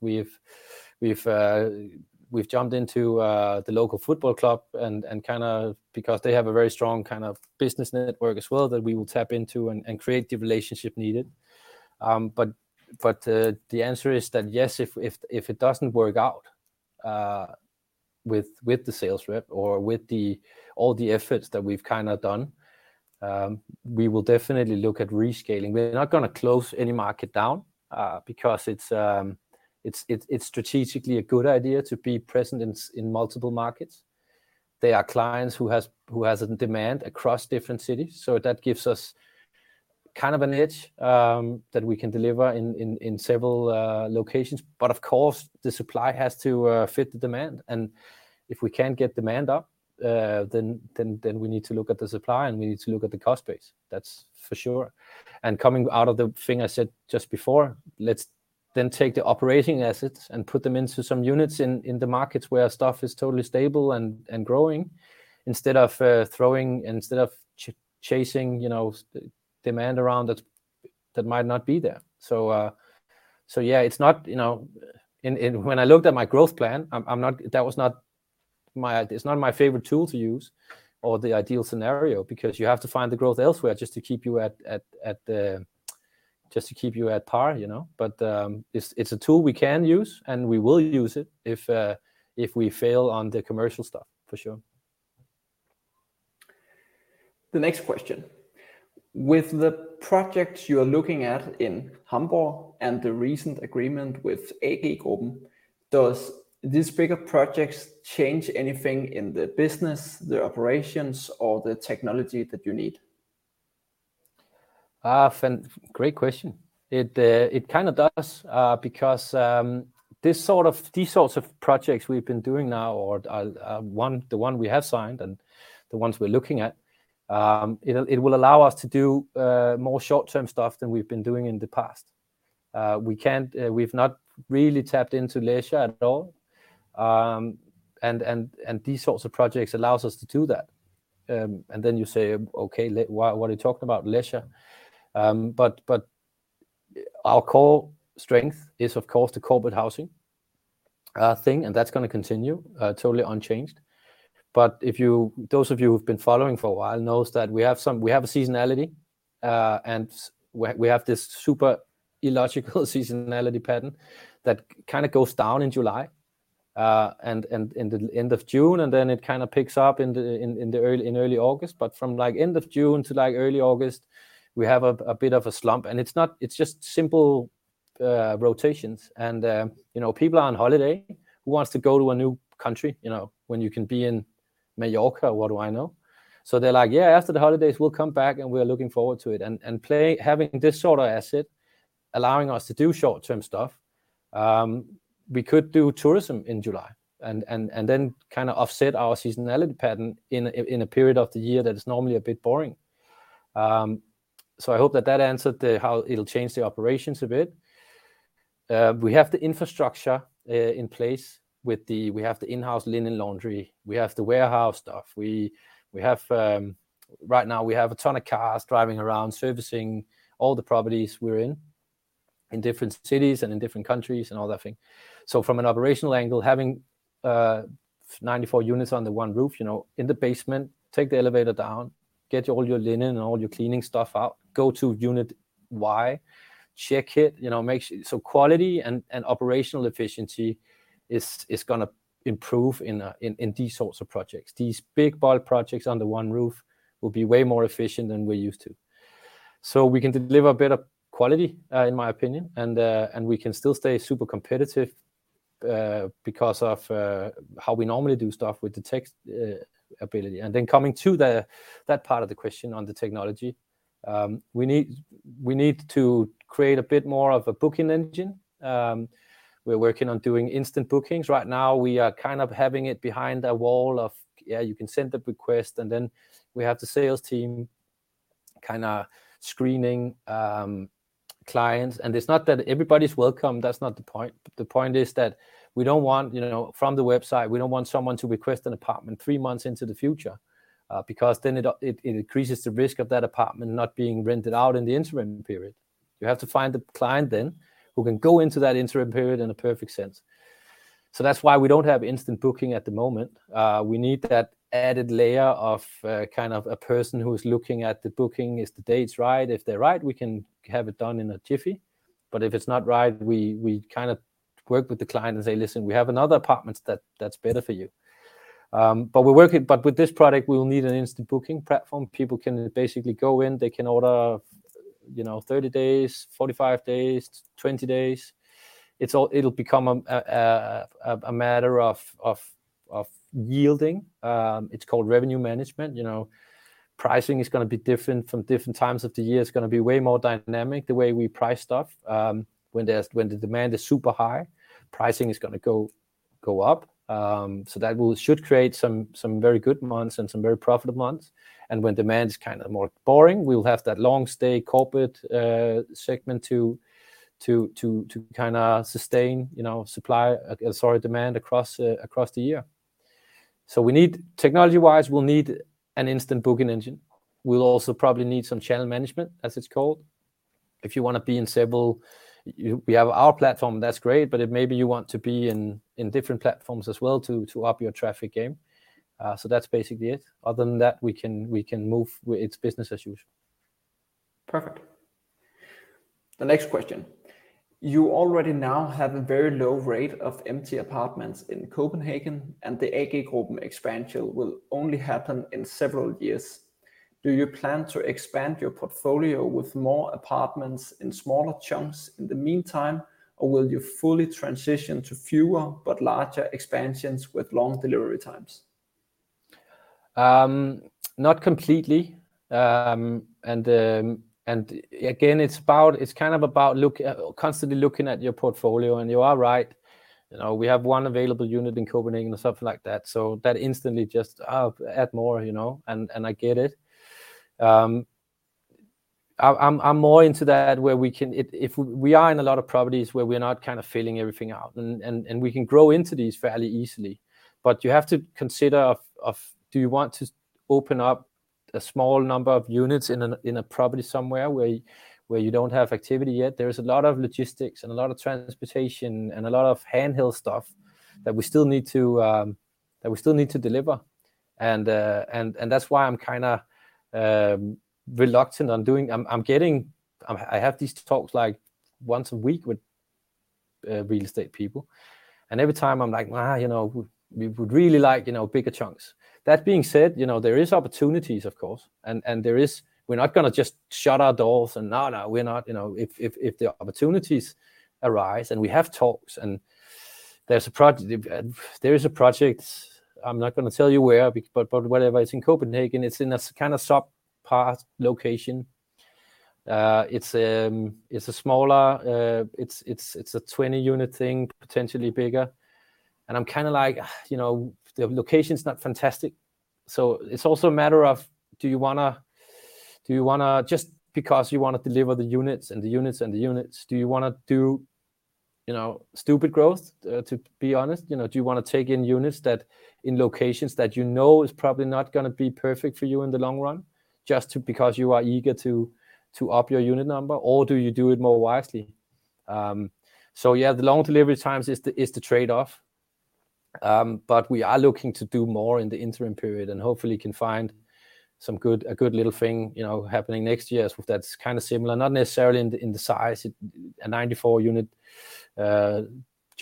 We've jumped into the local football club and kind of because they have a very strong kind of business network as well, that we will tap into and create the relationship needed. But the answer is that yes, if it doesn't work out with the sales rep or with all the efforts that we've kind of done, we will definitely look at rescaling. We're not gonna close any market down because it's strategically a good idea to be present in multiple markets. There are clients who has a demand across different cities, so that gives us kind of an edge that we can deliver in several locations. But of course, the supply has to fit the demand, and if we can't get demand up, then we need to look at the supply, and we need to look at the cost base. That's for sure. Coming out of the thing I said just before, let's then take the operating assets and put them into some units in the markets where stuff is totally stable and growing, instead of chasing, you know, demand around that that might not be there. So, yeah, it's not, you know, and when I looked at my growth plan, it's not my favorite tool to use or the ideal scenario, because you have to find the growth elsewhere just to keep you at par, you know. But it's a tool we can use, and we will use it if we fail on the commercial stuff, for sure. The next question: With the projects you are looking at in Hamburg and the recent agreement with AG Gruppen, does these bigger projects change anything in the business, the operations, or the technology that you need? Ah, fantastic great question! It, it kind of does, because, these sorts of projects we've been doing now, or, one, the one we have signed and the ones we're looking at, it'll, it will allow us to do, more short-term stuff than we've been doing in the past. We can't, we've not really tapped into leisure at all. And these sorts of projects allows us to do that. And then you say, "Okay, what are you talking about leisure?" But our core strength is, of course, the corporate housing thing, and that's gonna continue, totally unchanged. But if you, those of you who've been following for a while knows that we have some, we have a seasonality, and we, we have this super illogical seasonality pattern that kind of goes down in July, and, and in the end of June, and then it kind of picks up in the, in, in the early, in early August. But from like end of June to, like, early August, we have a, a bit of a slump, and it's not, it's just simple, rotations. And, you know, people are on holiday. Who wants to go to a new country, you know, when you can be in Mallorca, what do I know? So they're like, "Yeah, after the holidays, we'll come back, and we're looking forward to it." Having this sort of asset, allowing us to do short-term stuff, we could do tourism in July and then kind of offset our seasonality pattern in a period of the year that is normally a bit boring. So I hope that that answered the how it'll change the operations a bit. We have the infrastructure in place with the in-house linen laundry, we have the warehouse stuff. We have right now a ton of cars driving around, servicing all the properties we're in, in different cities and in different countries and all that thing. So from an operational angle, having 94 units under one roof, you know, in the basement, take the elevator down, get all your linen and all your cleaning stuff out, go to unit Y, check it, you know, make sure. So quality and operational efficiency is gonna improve in these sorts of projects. These big, bold projects under one roof will be way more efficient than we're used to. So we can deliver better quality, in my opinion, and we can still stay super competitive, because of how we normally do stuff with the tech ability. And then coming to that part of the question on the technology, we need to create a bit more of a booking engine. We're working on doing instant bookings. Right now, we are kind of having it behind a wall of, yeah, you can send the request, and then we have the sales team kind of screening clients. It's not that everybody's welcome, that's not the point. The point is that we don't want, you know, from the website, we don't want someone to request an apartment three months into the future, because then it increases the risk of that apartment not being rented out in the interim period. You have to find the client then, who can go into that interim period in a perfect sense. So that's why we don't have instant booking at the moment. We need that added layer of kind of a person who is looking at the booking. Is the dates right? If they're right, we can have it done in a jiffy, but if it's not right, we kind of work with the client and say, "Listen, we have another apartment that's better for you." But with this product, we'll need an instant booking platform. People can basically go in, they can order, you know, 30 days, 45 days, 20 days. It's all-- it'll become a matter of yielding. It's called revenue management, you know. Pricing is going to be different from different times of the year. It's going to be way more dynamic the way we price stuff. When the demand is super high, pricing is going to go up. So that will should create some very good months and some very profitable months. When demand is kind of more boring, we'll have that long-stay corporate segment to kind of sustain, you know, supply, sorry, demand across the year. So we need, technology-wise, an instant booking engine. We'll also probably need some channel management, as it's called. If you want to bevisible, we have our platform, that's great, but if maybe you want to be in different platforms as well to up your traffic game. So that's basically it. Other than that, we can move with, it's business as usual. Perfect. The next question: You already now have a very low rate of empty apartments in Copenhagen, and the AG Gruppen expansion will only happen in several years. Do you plan to expand your portfolio with more apartments in smaller chunks in the meantime, or will you fully transition to fewer but larger expansions with long delivery times? Not completely. And again, it's kind of about constantly looking at your portfolio, and you are right. You know, we have one available unit in Copenhagen and something like that, so that instantly just add more, you know, and I get it. I'm more into that where we can if we are in a lot of properties where we're not kind of filling everything out, and we can grow into these fairly easily. But you have to consider of do you want to open up a small number of units in a property somewhere where you don't have activity yet? There is a lot of logistics and a lot of transportation and a lot of handheld stuff that we still need to deliver. And that's why I'm kind of reluctant on doing... I'm getting-- I have these talks, like, once a week with real estate people, and every time I'm like, "Well, you know, we would really like, you know, bigger chunks." That being said, you know, there is opportunities, of course, and there is-- we're not going to just shut our doors and, "No, no, we're not." You know, if the opportunities arise, and we have talks, and there's a project, there is a project, I'm not going to tell you where, but whatever, it's in Copenhagen, it's in a kind of sub-part location. It's a smaller, it's a 20-unit thing, potentially bigger. And I'm kind of like, "you know, the location's not fantastic." So it's also a matter of do you wanna, do you wanna-- just because you want to deliver the units and the units and the units, do you wanna do, you know, stupid growth, to be honest? You know, do you want to take in units that, in locations that you know is probably not going to be perfect for you in the long run, just to-- because you are eager to, to up your unit number, or do you do it more wisely? So yeah, the long delivery times is the, is the trade-off. But we are looking to do more in the interim period and hopefully can find some good-- a good little thing, you know, happening next year that's kind of similar, not necessarily in the, in the size. A 94-unit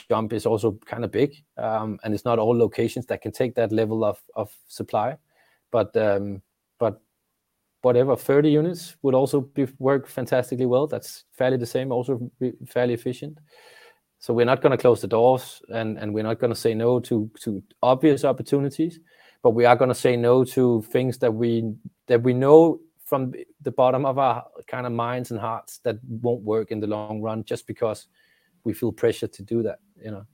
jump is also kind of big, and it's not all locations that can take that level of supply. But whatever, 30 units would also be work fantastically well. That's fairly the same, also fairly efficient. So we're not going to close the doors, and we're not going to say no to obvious opportunities, but we are going to say no to things that we know from the bottom of our kind of minds and hearts that won't work in the long run, just because we feel pressured to do that, you know,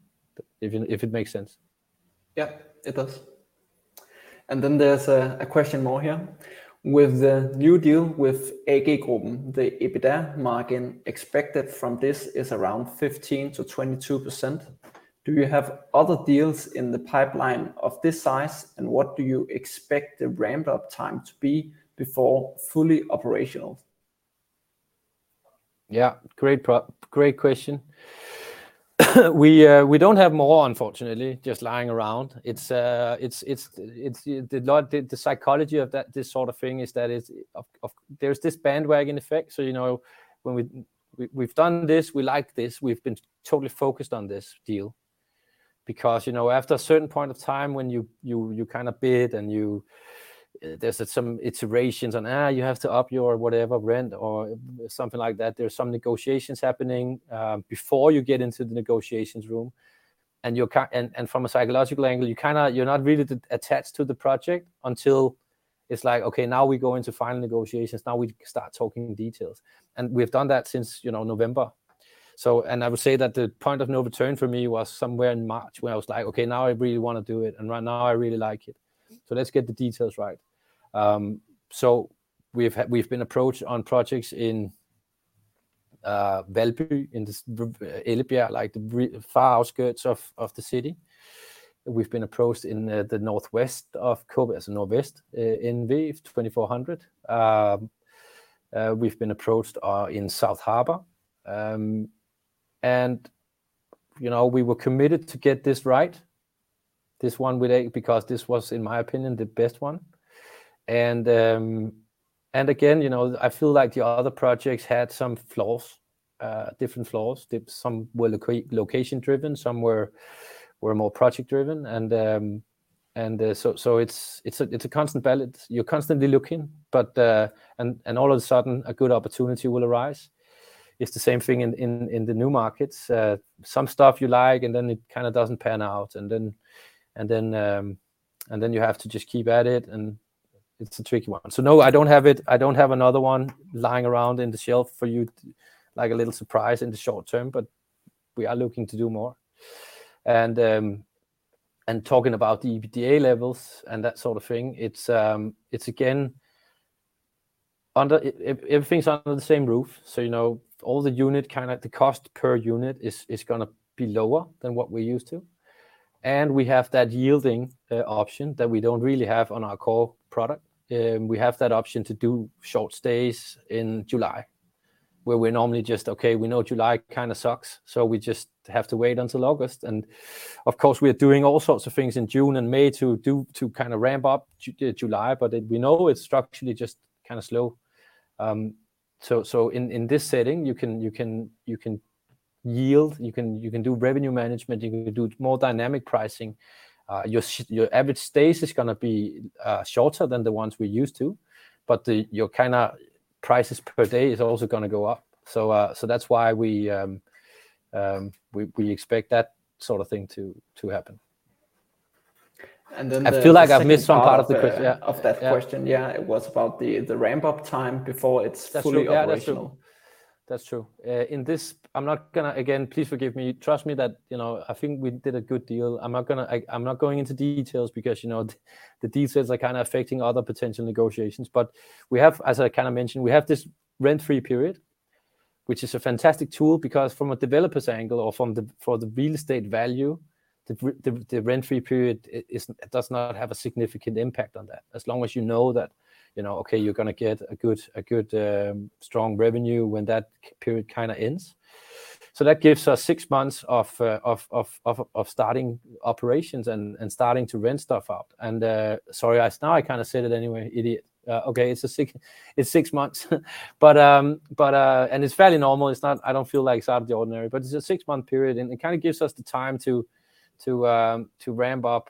if it makes sense. Yeah, it does. And then there's a question more here: With the new deal with AG Gruppen, the EBITDA margin expected from this is around 15%-22%. Do you have other deals in the pipeline of this size, and what do you expect the ramp-up time to be before fully operational? Yeah, great question. We don't have more, unfortunately, just lying around. It's the psychology of that, this sort of thing is that it's... There's this bandwagon effect, so, you know, when we've done this, we like this, we've been totally focused on this deal... because, you know, after a certain point of time when you kind of bid and there's some iterations on, you have to up your whatever, rent or something like that, there's some negotiations happening before you get into the negotiations room. And from a psychological angle, you kind of, you're not really attached to the project until it's like, "Okay, now we go into final negotiations. Now we start talking details." And we've done that since, you know, November. I would say that the point of no return for me was somewhere in March, where I was like, "Okay, now I really want to do it, and right now I really like it, so let's get the details right." So we've been approached on projects in Valby, in this Åbyhøj, like, the far outskirts of the city. We've been approached in the northwest of Copenhagen, northwest, in Vejle, 2,400. We've been approached in South Harbor. And, you know, we were committed to get this right, this one with A, because this was, in my opinion, the best one. And again, you know, I feel like the other projects had some flaws, different flaws. Some were location driven, some were more project driven. It's a constant balance. You're constantly looking, but... and all of a sudden, a good opportunity will arise. It's the same thing in the new markets. Some stuff you like, and then it kind of doesn't pan out. And then you have to just keep at it, and it's a tricky one. So no, I don't have it. I don't have another one lying around on the shelf for you, like a little surprise in the short term, but we are looking to do more. And talking about the EBITDA levels and that sort of thing, it's again, everything's under the same roof, so you know, all the unit kind of the cost per unit is gonna be lower than what we're used to. And we have that yielding option that we don't really have on our core product. We have that option to do short stays in July, where we're normally just, "Okay, we know July kind of sucks, so we just have to wait until August." And of course, we are doing all sorts of things in June and May to kind of ramp up July, but we know it's structurally just kind of slow. So in this setting, you can yield, you can do revenue management, you can do more dynamic pricing. Your average stays is gonna be shorter than the ones we're used to, but your kind of prices per day is also gonna go up. So that's why we expect that sort of thing to happen. And then the- I feel like I've missed some part of the question. Yeah, of that question. Yeah. Yeah, it was about the ramp-up time before it's fully operational. That's true. Yeah, that's true. That's true. In this, I'm not gonna. Again, please forgive me. Trust me that, you know, I think we did a good deal. I'm not gonna, I'm not going into details because, you know, the details are kind of affecting other potential negotiations. But we have, as I kind of mentioned, we have this rent-free period, which is a fantastic tool because from a developer's angle or from the for the real estate value, the rent-free period is, it does not have a significant impact on that, as long as you know that, you know, okay, you're gonna get a good, a good strong revenue when that period kind of ends. So that gives us six months of starting operations and starting to rent stuff out. Sorry, now I kind of said it anyway, idiot. Okay, it's six months. But, and it's fairly normal, it's not, I don't feel like it's out of the ordinary, but it's a six-month period, and it kind of gives us the time to, to, ramp up,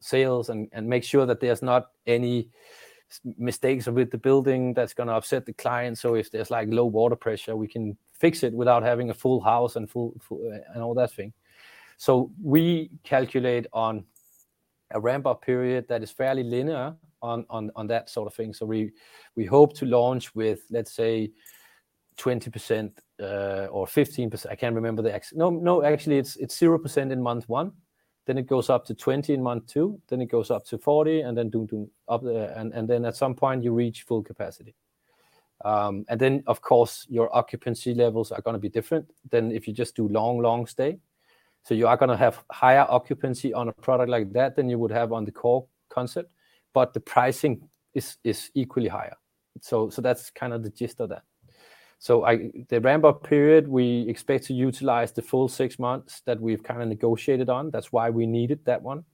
sales and, make sure that there's not any mistakes with the building that's gonna upset the clients. So if there's, like, low water pressure, we can fix it without having a full house and full and all that thing. So we calculate on a ramp-up period that is fairly linear on, that sort of thing. So we hope to launch with, let's say, 20% or 15%, I can't remember—actually, it's 0% in month one, then it goes up to 20% in month two, then it goes up to 40%, and then dum, dum, up, and then at some point you reach full capacity. And then, of course, your occupancy levels are gonna be different than if you just do long, long stay. So you are gonna have higher occupancy on a product like that than you would have on the core concept, but the pricing is equally higher. So that's kind of the gist of that. The ramp-up period, we expect to utilize the full 6 months that we've kind of negotiated on. That's why we needed that one.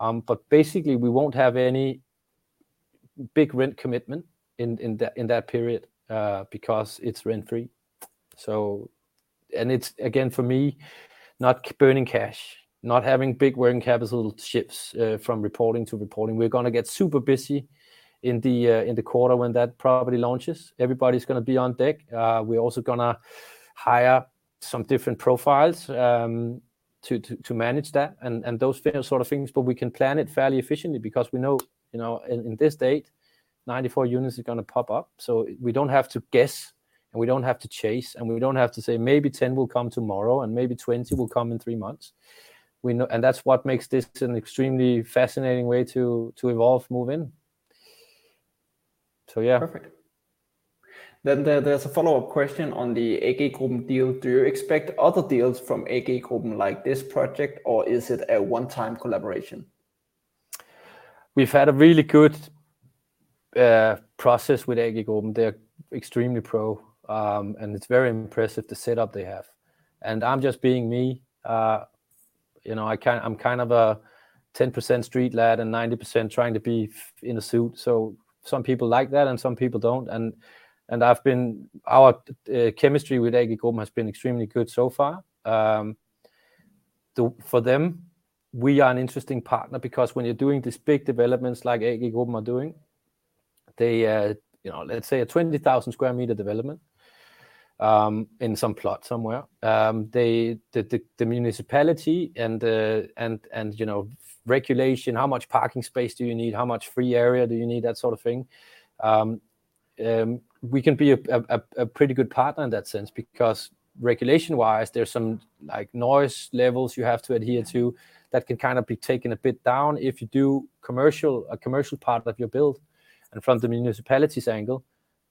But basically, we won't have any big rent commitment in that period, because it's rent-free. So and it's, again, for me, not burning cash, not having big working capital shifts from reporting to reporting. We're gonna get super busy in the quarter when that property launches. Everybody's gonna be on deck. We're also gonna hire some different profiles to manage that and those sort of things. But we can plan it fairly efficiently because we know, you know, in this date, 94 units are gonna pop up. So we don't have to guess, and we don't have to chase, and we don't have to say, "Maybe 10 will come tomorrow, and maybe 20 will come in three months." We know, and that's what makes this an extremely fascinating way to evolve Movinn. So yeah. Perfect. Then, there's a follow-up question on the AG Gruppen deal: Do you expect other deals from AG Gruppen like this project, or is it a one-time collaboration? We've had a really good process with AG Gruppen. They're extremely pro, and it's very impressive, the setup they have. And I'm just being me. You know, I'm kind of a 10% street lad and 90% trying to be in a suit. So some people like that and some people don't, and our chemistry with AG Gruppen has been extremely good so far. For them, we are an interesting partner because when you're doing these big developments like AG Gruppen are doing, they, you know, let's say a 20,000 square meter development in some plot somewhere. They, the municipality and the, and, you know, regulation, how much parking space do you need? How much free area do you need? That sort of thing. We can be a pretty good partner in that sense because regulation-wise, there's some, like, noise levels you have to adhere to that can kind of be taken a bit down if you do commercial, a commercial part of your build. And from the municipality's angle,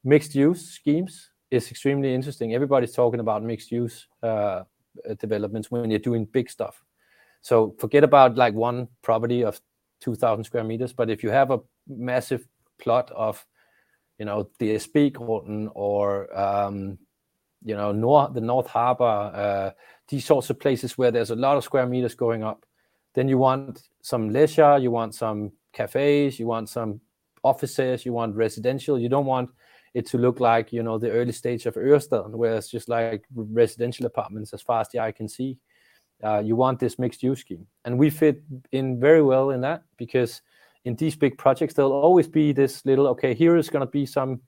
mixed-use schemes is extremely interesting. Everybody's talking about mixed-use developments when you're doing big stuff. So forget about, like, one property of 2,000 square meters, but if you have a massive plot of, you know, the Sydhavnen or, you know, the Nordhavnen, these sorts of places where there's a lot of square meters going up, then you want some leisure, you want some cafés, you want some offices, you want residential. You don't want it to look like, you know, the early stage of Ørestad, where it's just like residential apartments as far as the eye can see. You want this mixed-use scheme. And we fit in very well in that because in these big projects, there'll always be this little, "Okay, here is gonna be something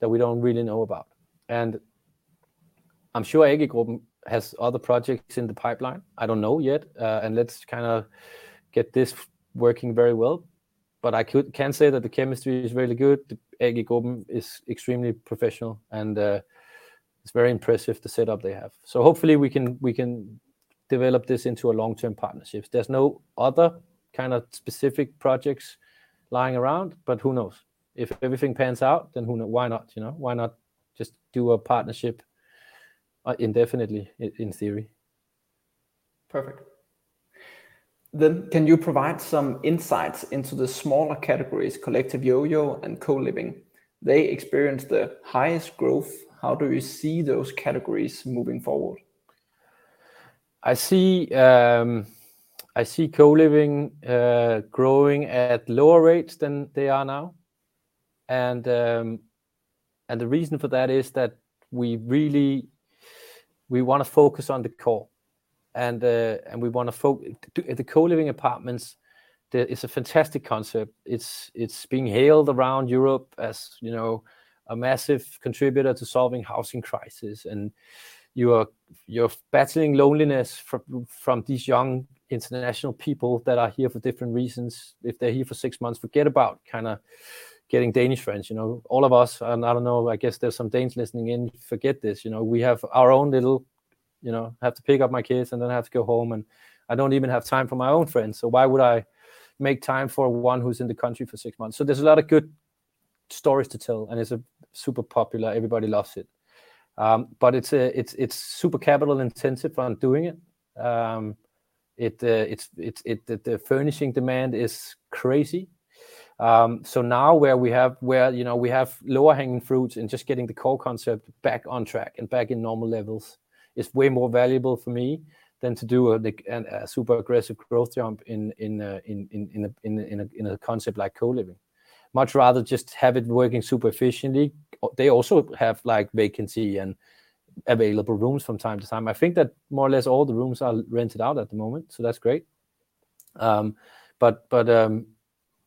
that we don't really know about." And I'm sure AG Gruppen has other projects in the pipeline. I don't know yet, and let's kind of get this working very well. But I can say that the chemistry is really good. AG Gruppen is extremely professional, and it's very impressive, the setup they have. So hopefully we can, we can develop this into a long-term partnership. There's no other kind of specific projects lying around, but who knows? If everything pans out, then why not, you know? Why not just do a partnership, indefinitely, in theory? Perfect. Then, can you provide some insights into the smaller categories, Collective Yoyo and co-living? They experienced the highest growth. How do you see those categories moving forward? I see, I see co-living growing at lower rates than they are now. And the reason for that is that we really, we want to focus on the core, and we want to. The co-living apartments, it's a fantastic concept. It's being hailed around Europe as, you know, a massive contributor to solving housing crisis. And you're battling loneliness from these young international people that are here for different reasons. If they're here for six months, forget about kind of getting Danish friends, you know. All of us, and I don't know, I guess there's some Danes listening in, forget this. You know, we have our own little, you know, I have to pick up my kids, and then I have to go home, and I don't even have time for my own friends, so why would I make time for one who's in the country for six months? So there's a lot of good stories to tell, and it's super popular. Everybody loves it. But it's the furnishing demand is crazy. So now, you know, we have lower-hanging fruits and just getting the core concept back on track and back in normal levels is way more valuable for me than to do, like, a super aggressive growth jump in a concept like co-living. Much rather just have it working super efficiently. They also have, like, vacancy and available rooms from time to time. I think that more or less all the rooms are rented out at the moment, so that's great. But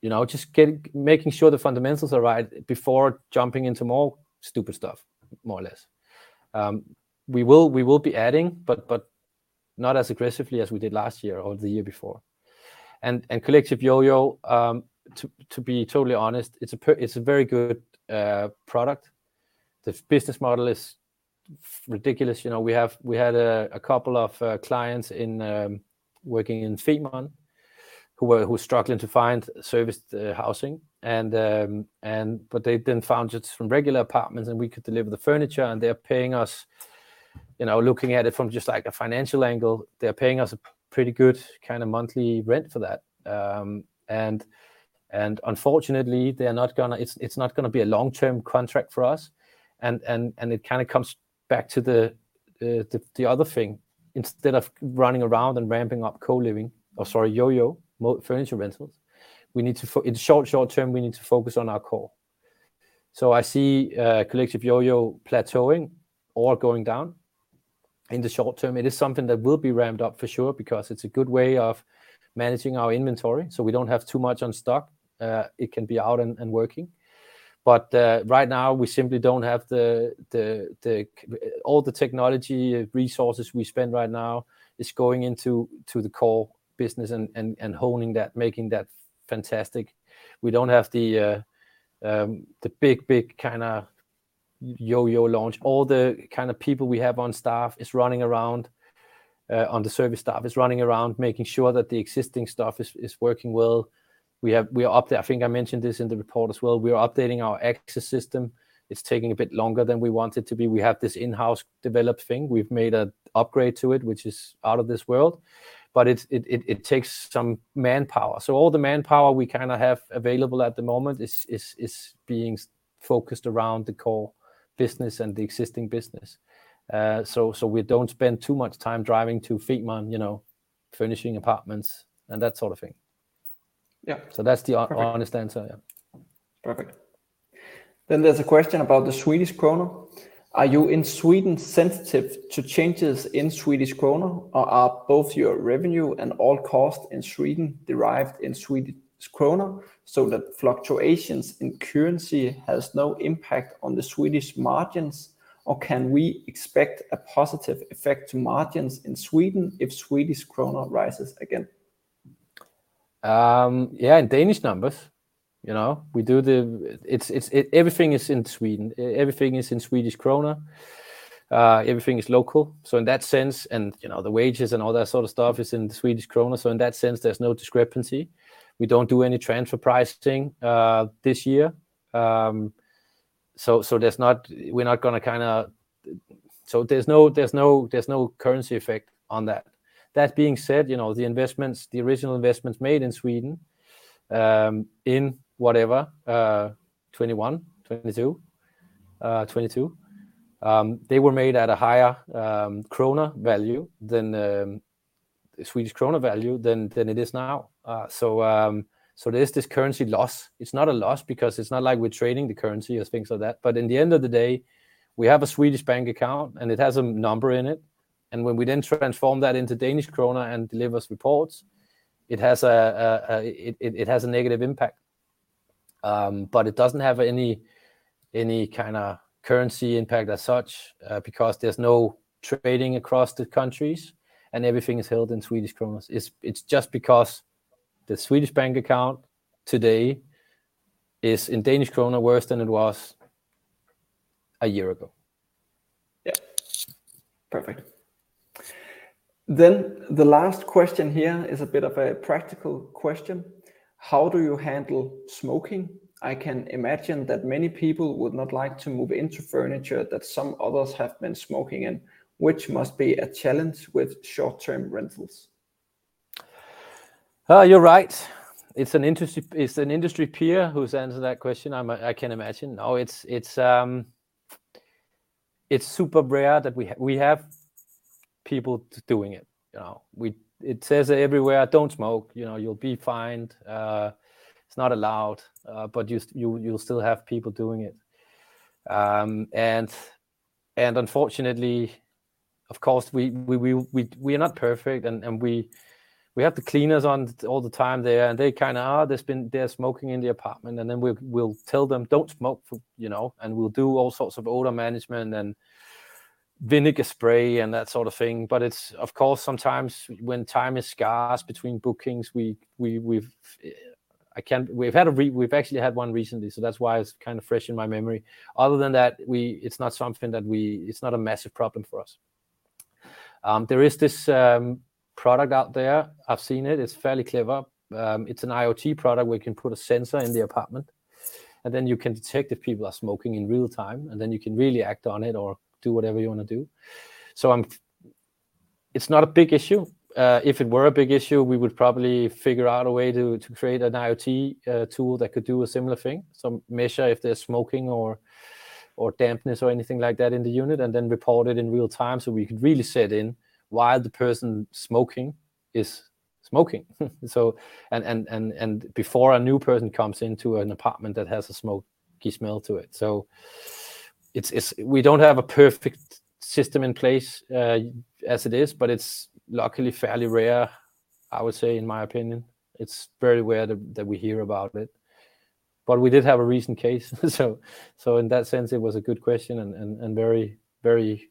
you know, just making sure the fundamentals are right before jumping into more stupid stuff, more or less. We will be adding, but not as aggressively as we did last year or the year before. And Collective Yoyo, to be totally honest, it's a very good product. The business model is ridiculous. You know, we have, we had a couple of clients in working in Femern who were struggling to find serviced housing and but they then found just some regular apartments, and we could deliver the furniture, and they're paying us. You know, looking at it from just, like, a financial angle, they're paying us a pretty good kind of monthly rent for that. And unfortunately, they're not gonna, it's not gonna be a long-term contract for us. And it kind of comes back to the other thing. Instead of running around and ramping up co-living, or sorry, Yoyo furniture rentals, we need to in the short, short term, we need to focus on our core. So I see Collective Yoyo plateauing or going down in the short term. It is something that will be ramped up for sure, because it's a good way of managing our inventory, so we don't have too much on stock. It can be out and working. But right now we simply don't have all the technology resources. We spend right now is going into to the core business and honing that, making that fantastic. We don't have the big kind of Yoyo launch. All the kind of people we have on staff is running around on the service staff, is running around making sure that the existing stuff is working well. I think I mentioned this in the report as well. We are updating our access system. It's taking a bit longer than we want it to be. We have this in-house developed thing. We've made a upgrade to it, which is out of this world, but it's, it takes some manpower. So all the manpower we kind of have available at the moment is being focused around the core business and the existing business. So we don't spend too much time driving to Femern, you know, furnishing apartments and that sort of thing.... Yeah, so that's the honest answer, yeah. Perfect. Then there's a question about the Swedish krona: Are you in Sweden sensitive to changes in Swedish krona, or are both your revenue and all costs in Sweden derived in Swedish krona, so that fluctuations in currency has no impact on the Swedish margins? Or can we expect a positive effect to margins in Sweden if Swedish krona rises again? Yeah, in Danish numbers, you know, we do the - it's everything is in Sweden. Everything is in Swedish krona. Everything is local. So in that sense, and, you know, the wages and all that sort of stuff is in the Swedish krona, so in that sense, there's no discrepancy. We don't do any transfer pricing this year. So there's not - we're not gonna kinda - so there's no currency effect on that. That being said, you know, the investments, the original investments made in Sweden, in whatever, 2021, 2022, 2022, they were made at a higher krona value than Swedish krona value than it is now. So there's this currency loss. It's not a loss because it's not like we're trading the currency or things like that, but in the end of the day, we have a Swedish bank account, and it has a number in it, and when we then transform that into Danish krona and delivers reports, it has a negative impact. But it doesn't have any kind of currency impact as such, because there's no trading across the countries, and everything is held in Swedish kronas. It's just because the Swedish bank account today is in Danish krona worse than it was a year ago. Yeah. Perfect. Then the last question here is a bit of a practical question: How do you handle smoking? I can imagine that many people would not like to move into furniture that some others have been smoking in, which must be a challenge with short-term rentals. You're right. It's an industry, it's an industry peer who's answered that question. I can imagine. No, it's super rare that we have people doing it, you know. It says everywhere, "Don't smoke," you know, "You'll be fined. It's not allowed." But you'll still have people doing it. And unfortunately, of course, we are not perfect, and we have the cleaners on all the time there, and they kind of, "Ah, there's been... They're smoking in the apartment." And then we'll tell them, "Don't smoke," you know, and we'll do all sorts of odor management and vinegar spray and that sort of thing. But it's... Of course, sometimes when time is scarce between bookings, we've actually had one recently, so that's why it's kind of fresh in my memory. Other than that, it's not a massive problem for us. There is this product out there. I've seen it. It's fairly clever. It's an IoT product where you can put a sensor in the apartment, and then you can detect if people are smoking in real time, and then you can really act on it or do whatever you want to do. It's not a big issue. If it were a big issue, we would probably figure out a way to create an IoT tool that could do a similar thing. Some measure if there's smoking or dampness or anything like that in the unit, and then report it in real time, so we could really set in while the person smoking is smoking. So, and before a new person comes into an apartment that has a smoky smell to it. So it's we don't have a perfect system in place as it is, but it's luckily fairly rare, I would say, in my opinion. It's very rare that we hear about it, but we did have a recent case, so in that sense, it was a good question and very, very,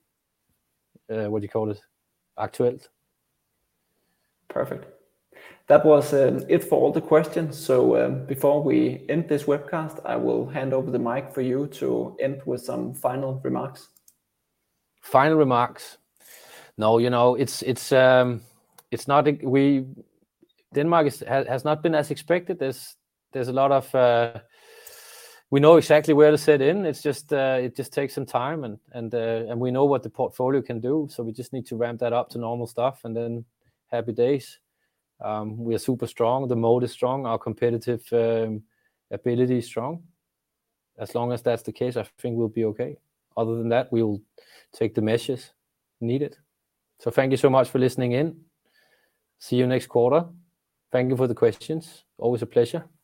what do you call it? Aktuelt. Perfect. That was it for all the questions, so before we end this webcast, I will hand over the mic for you to end with some final remarks. Final remarks. No, you know, it's not... Denmark has not been as expected. There's a lot of... We know exactly where to set in. It's just, it just takes some time, and we know what the portfolio can do, so we just need to ramp that up to normal stuff, and then happy days. We are super strong. The mode is strong. Our competitive ability is strong. As long as that's the case, I think we'll be okay. Other than that, we will take the measures needed. So thank you so much for listening in. See you next quarter. Thank you for the questions. Always a pleasure. Bye.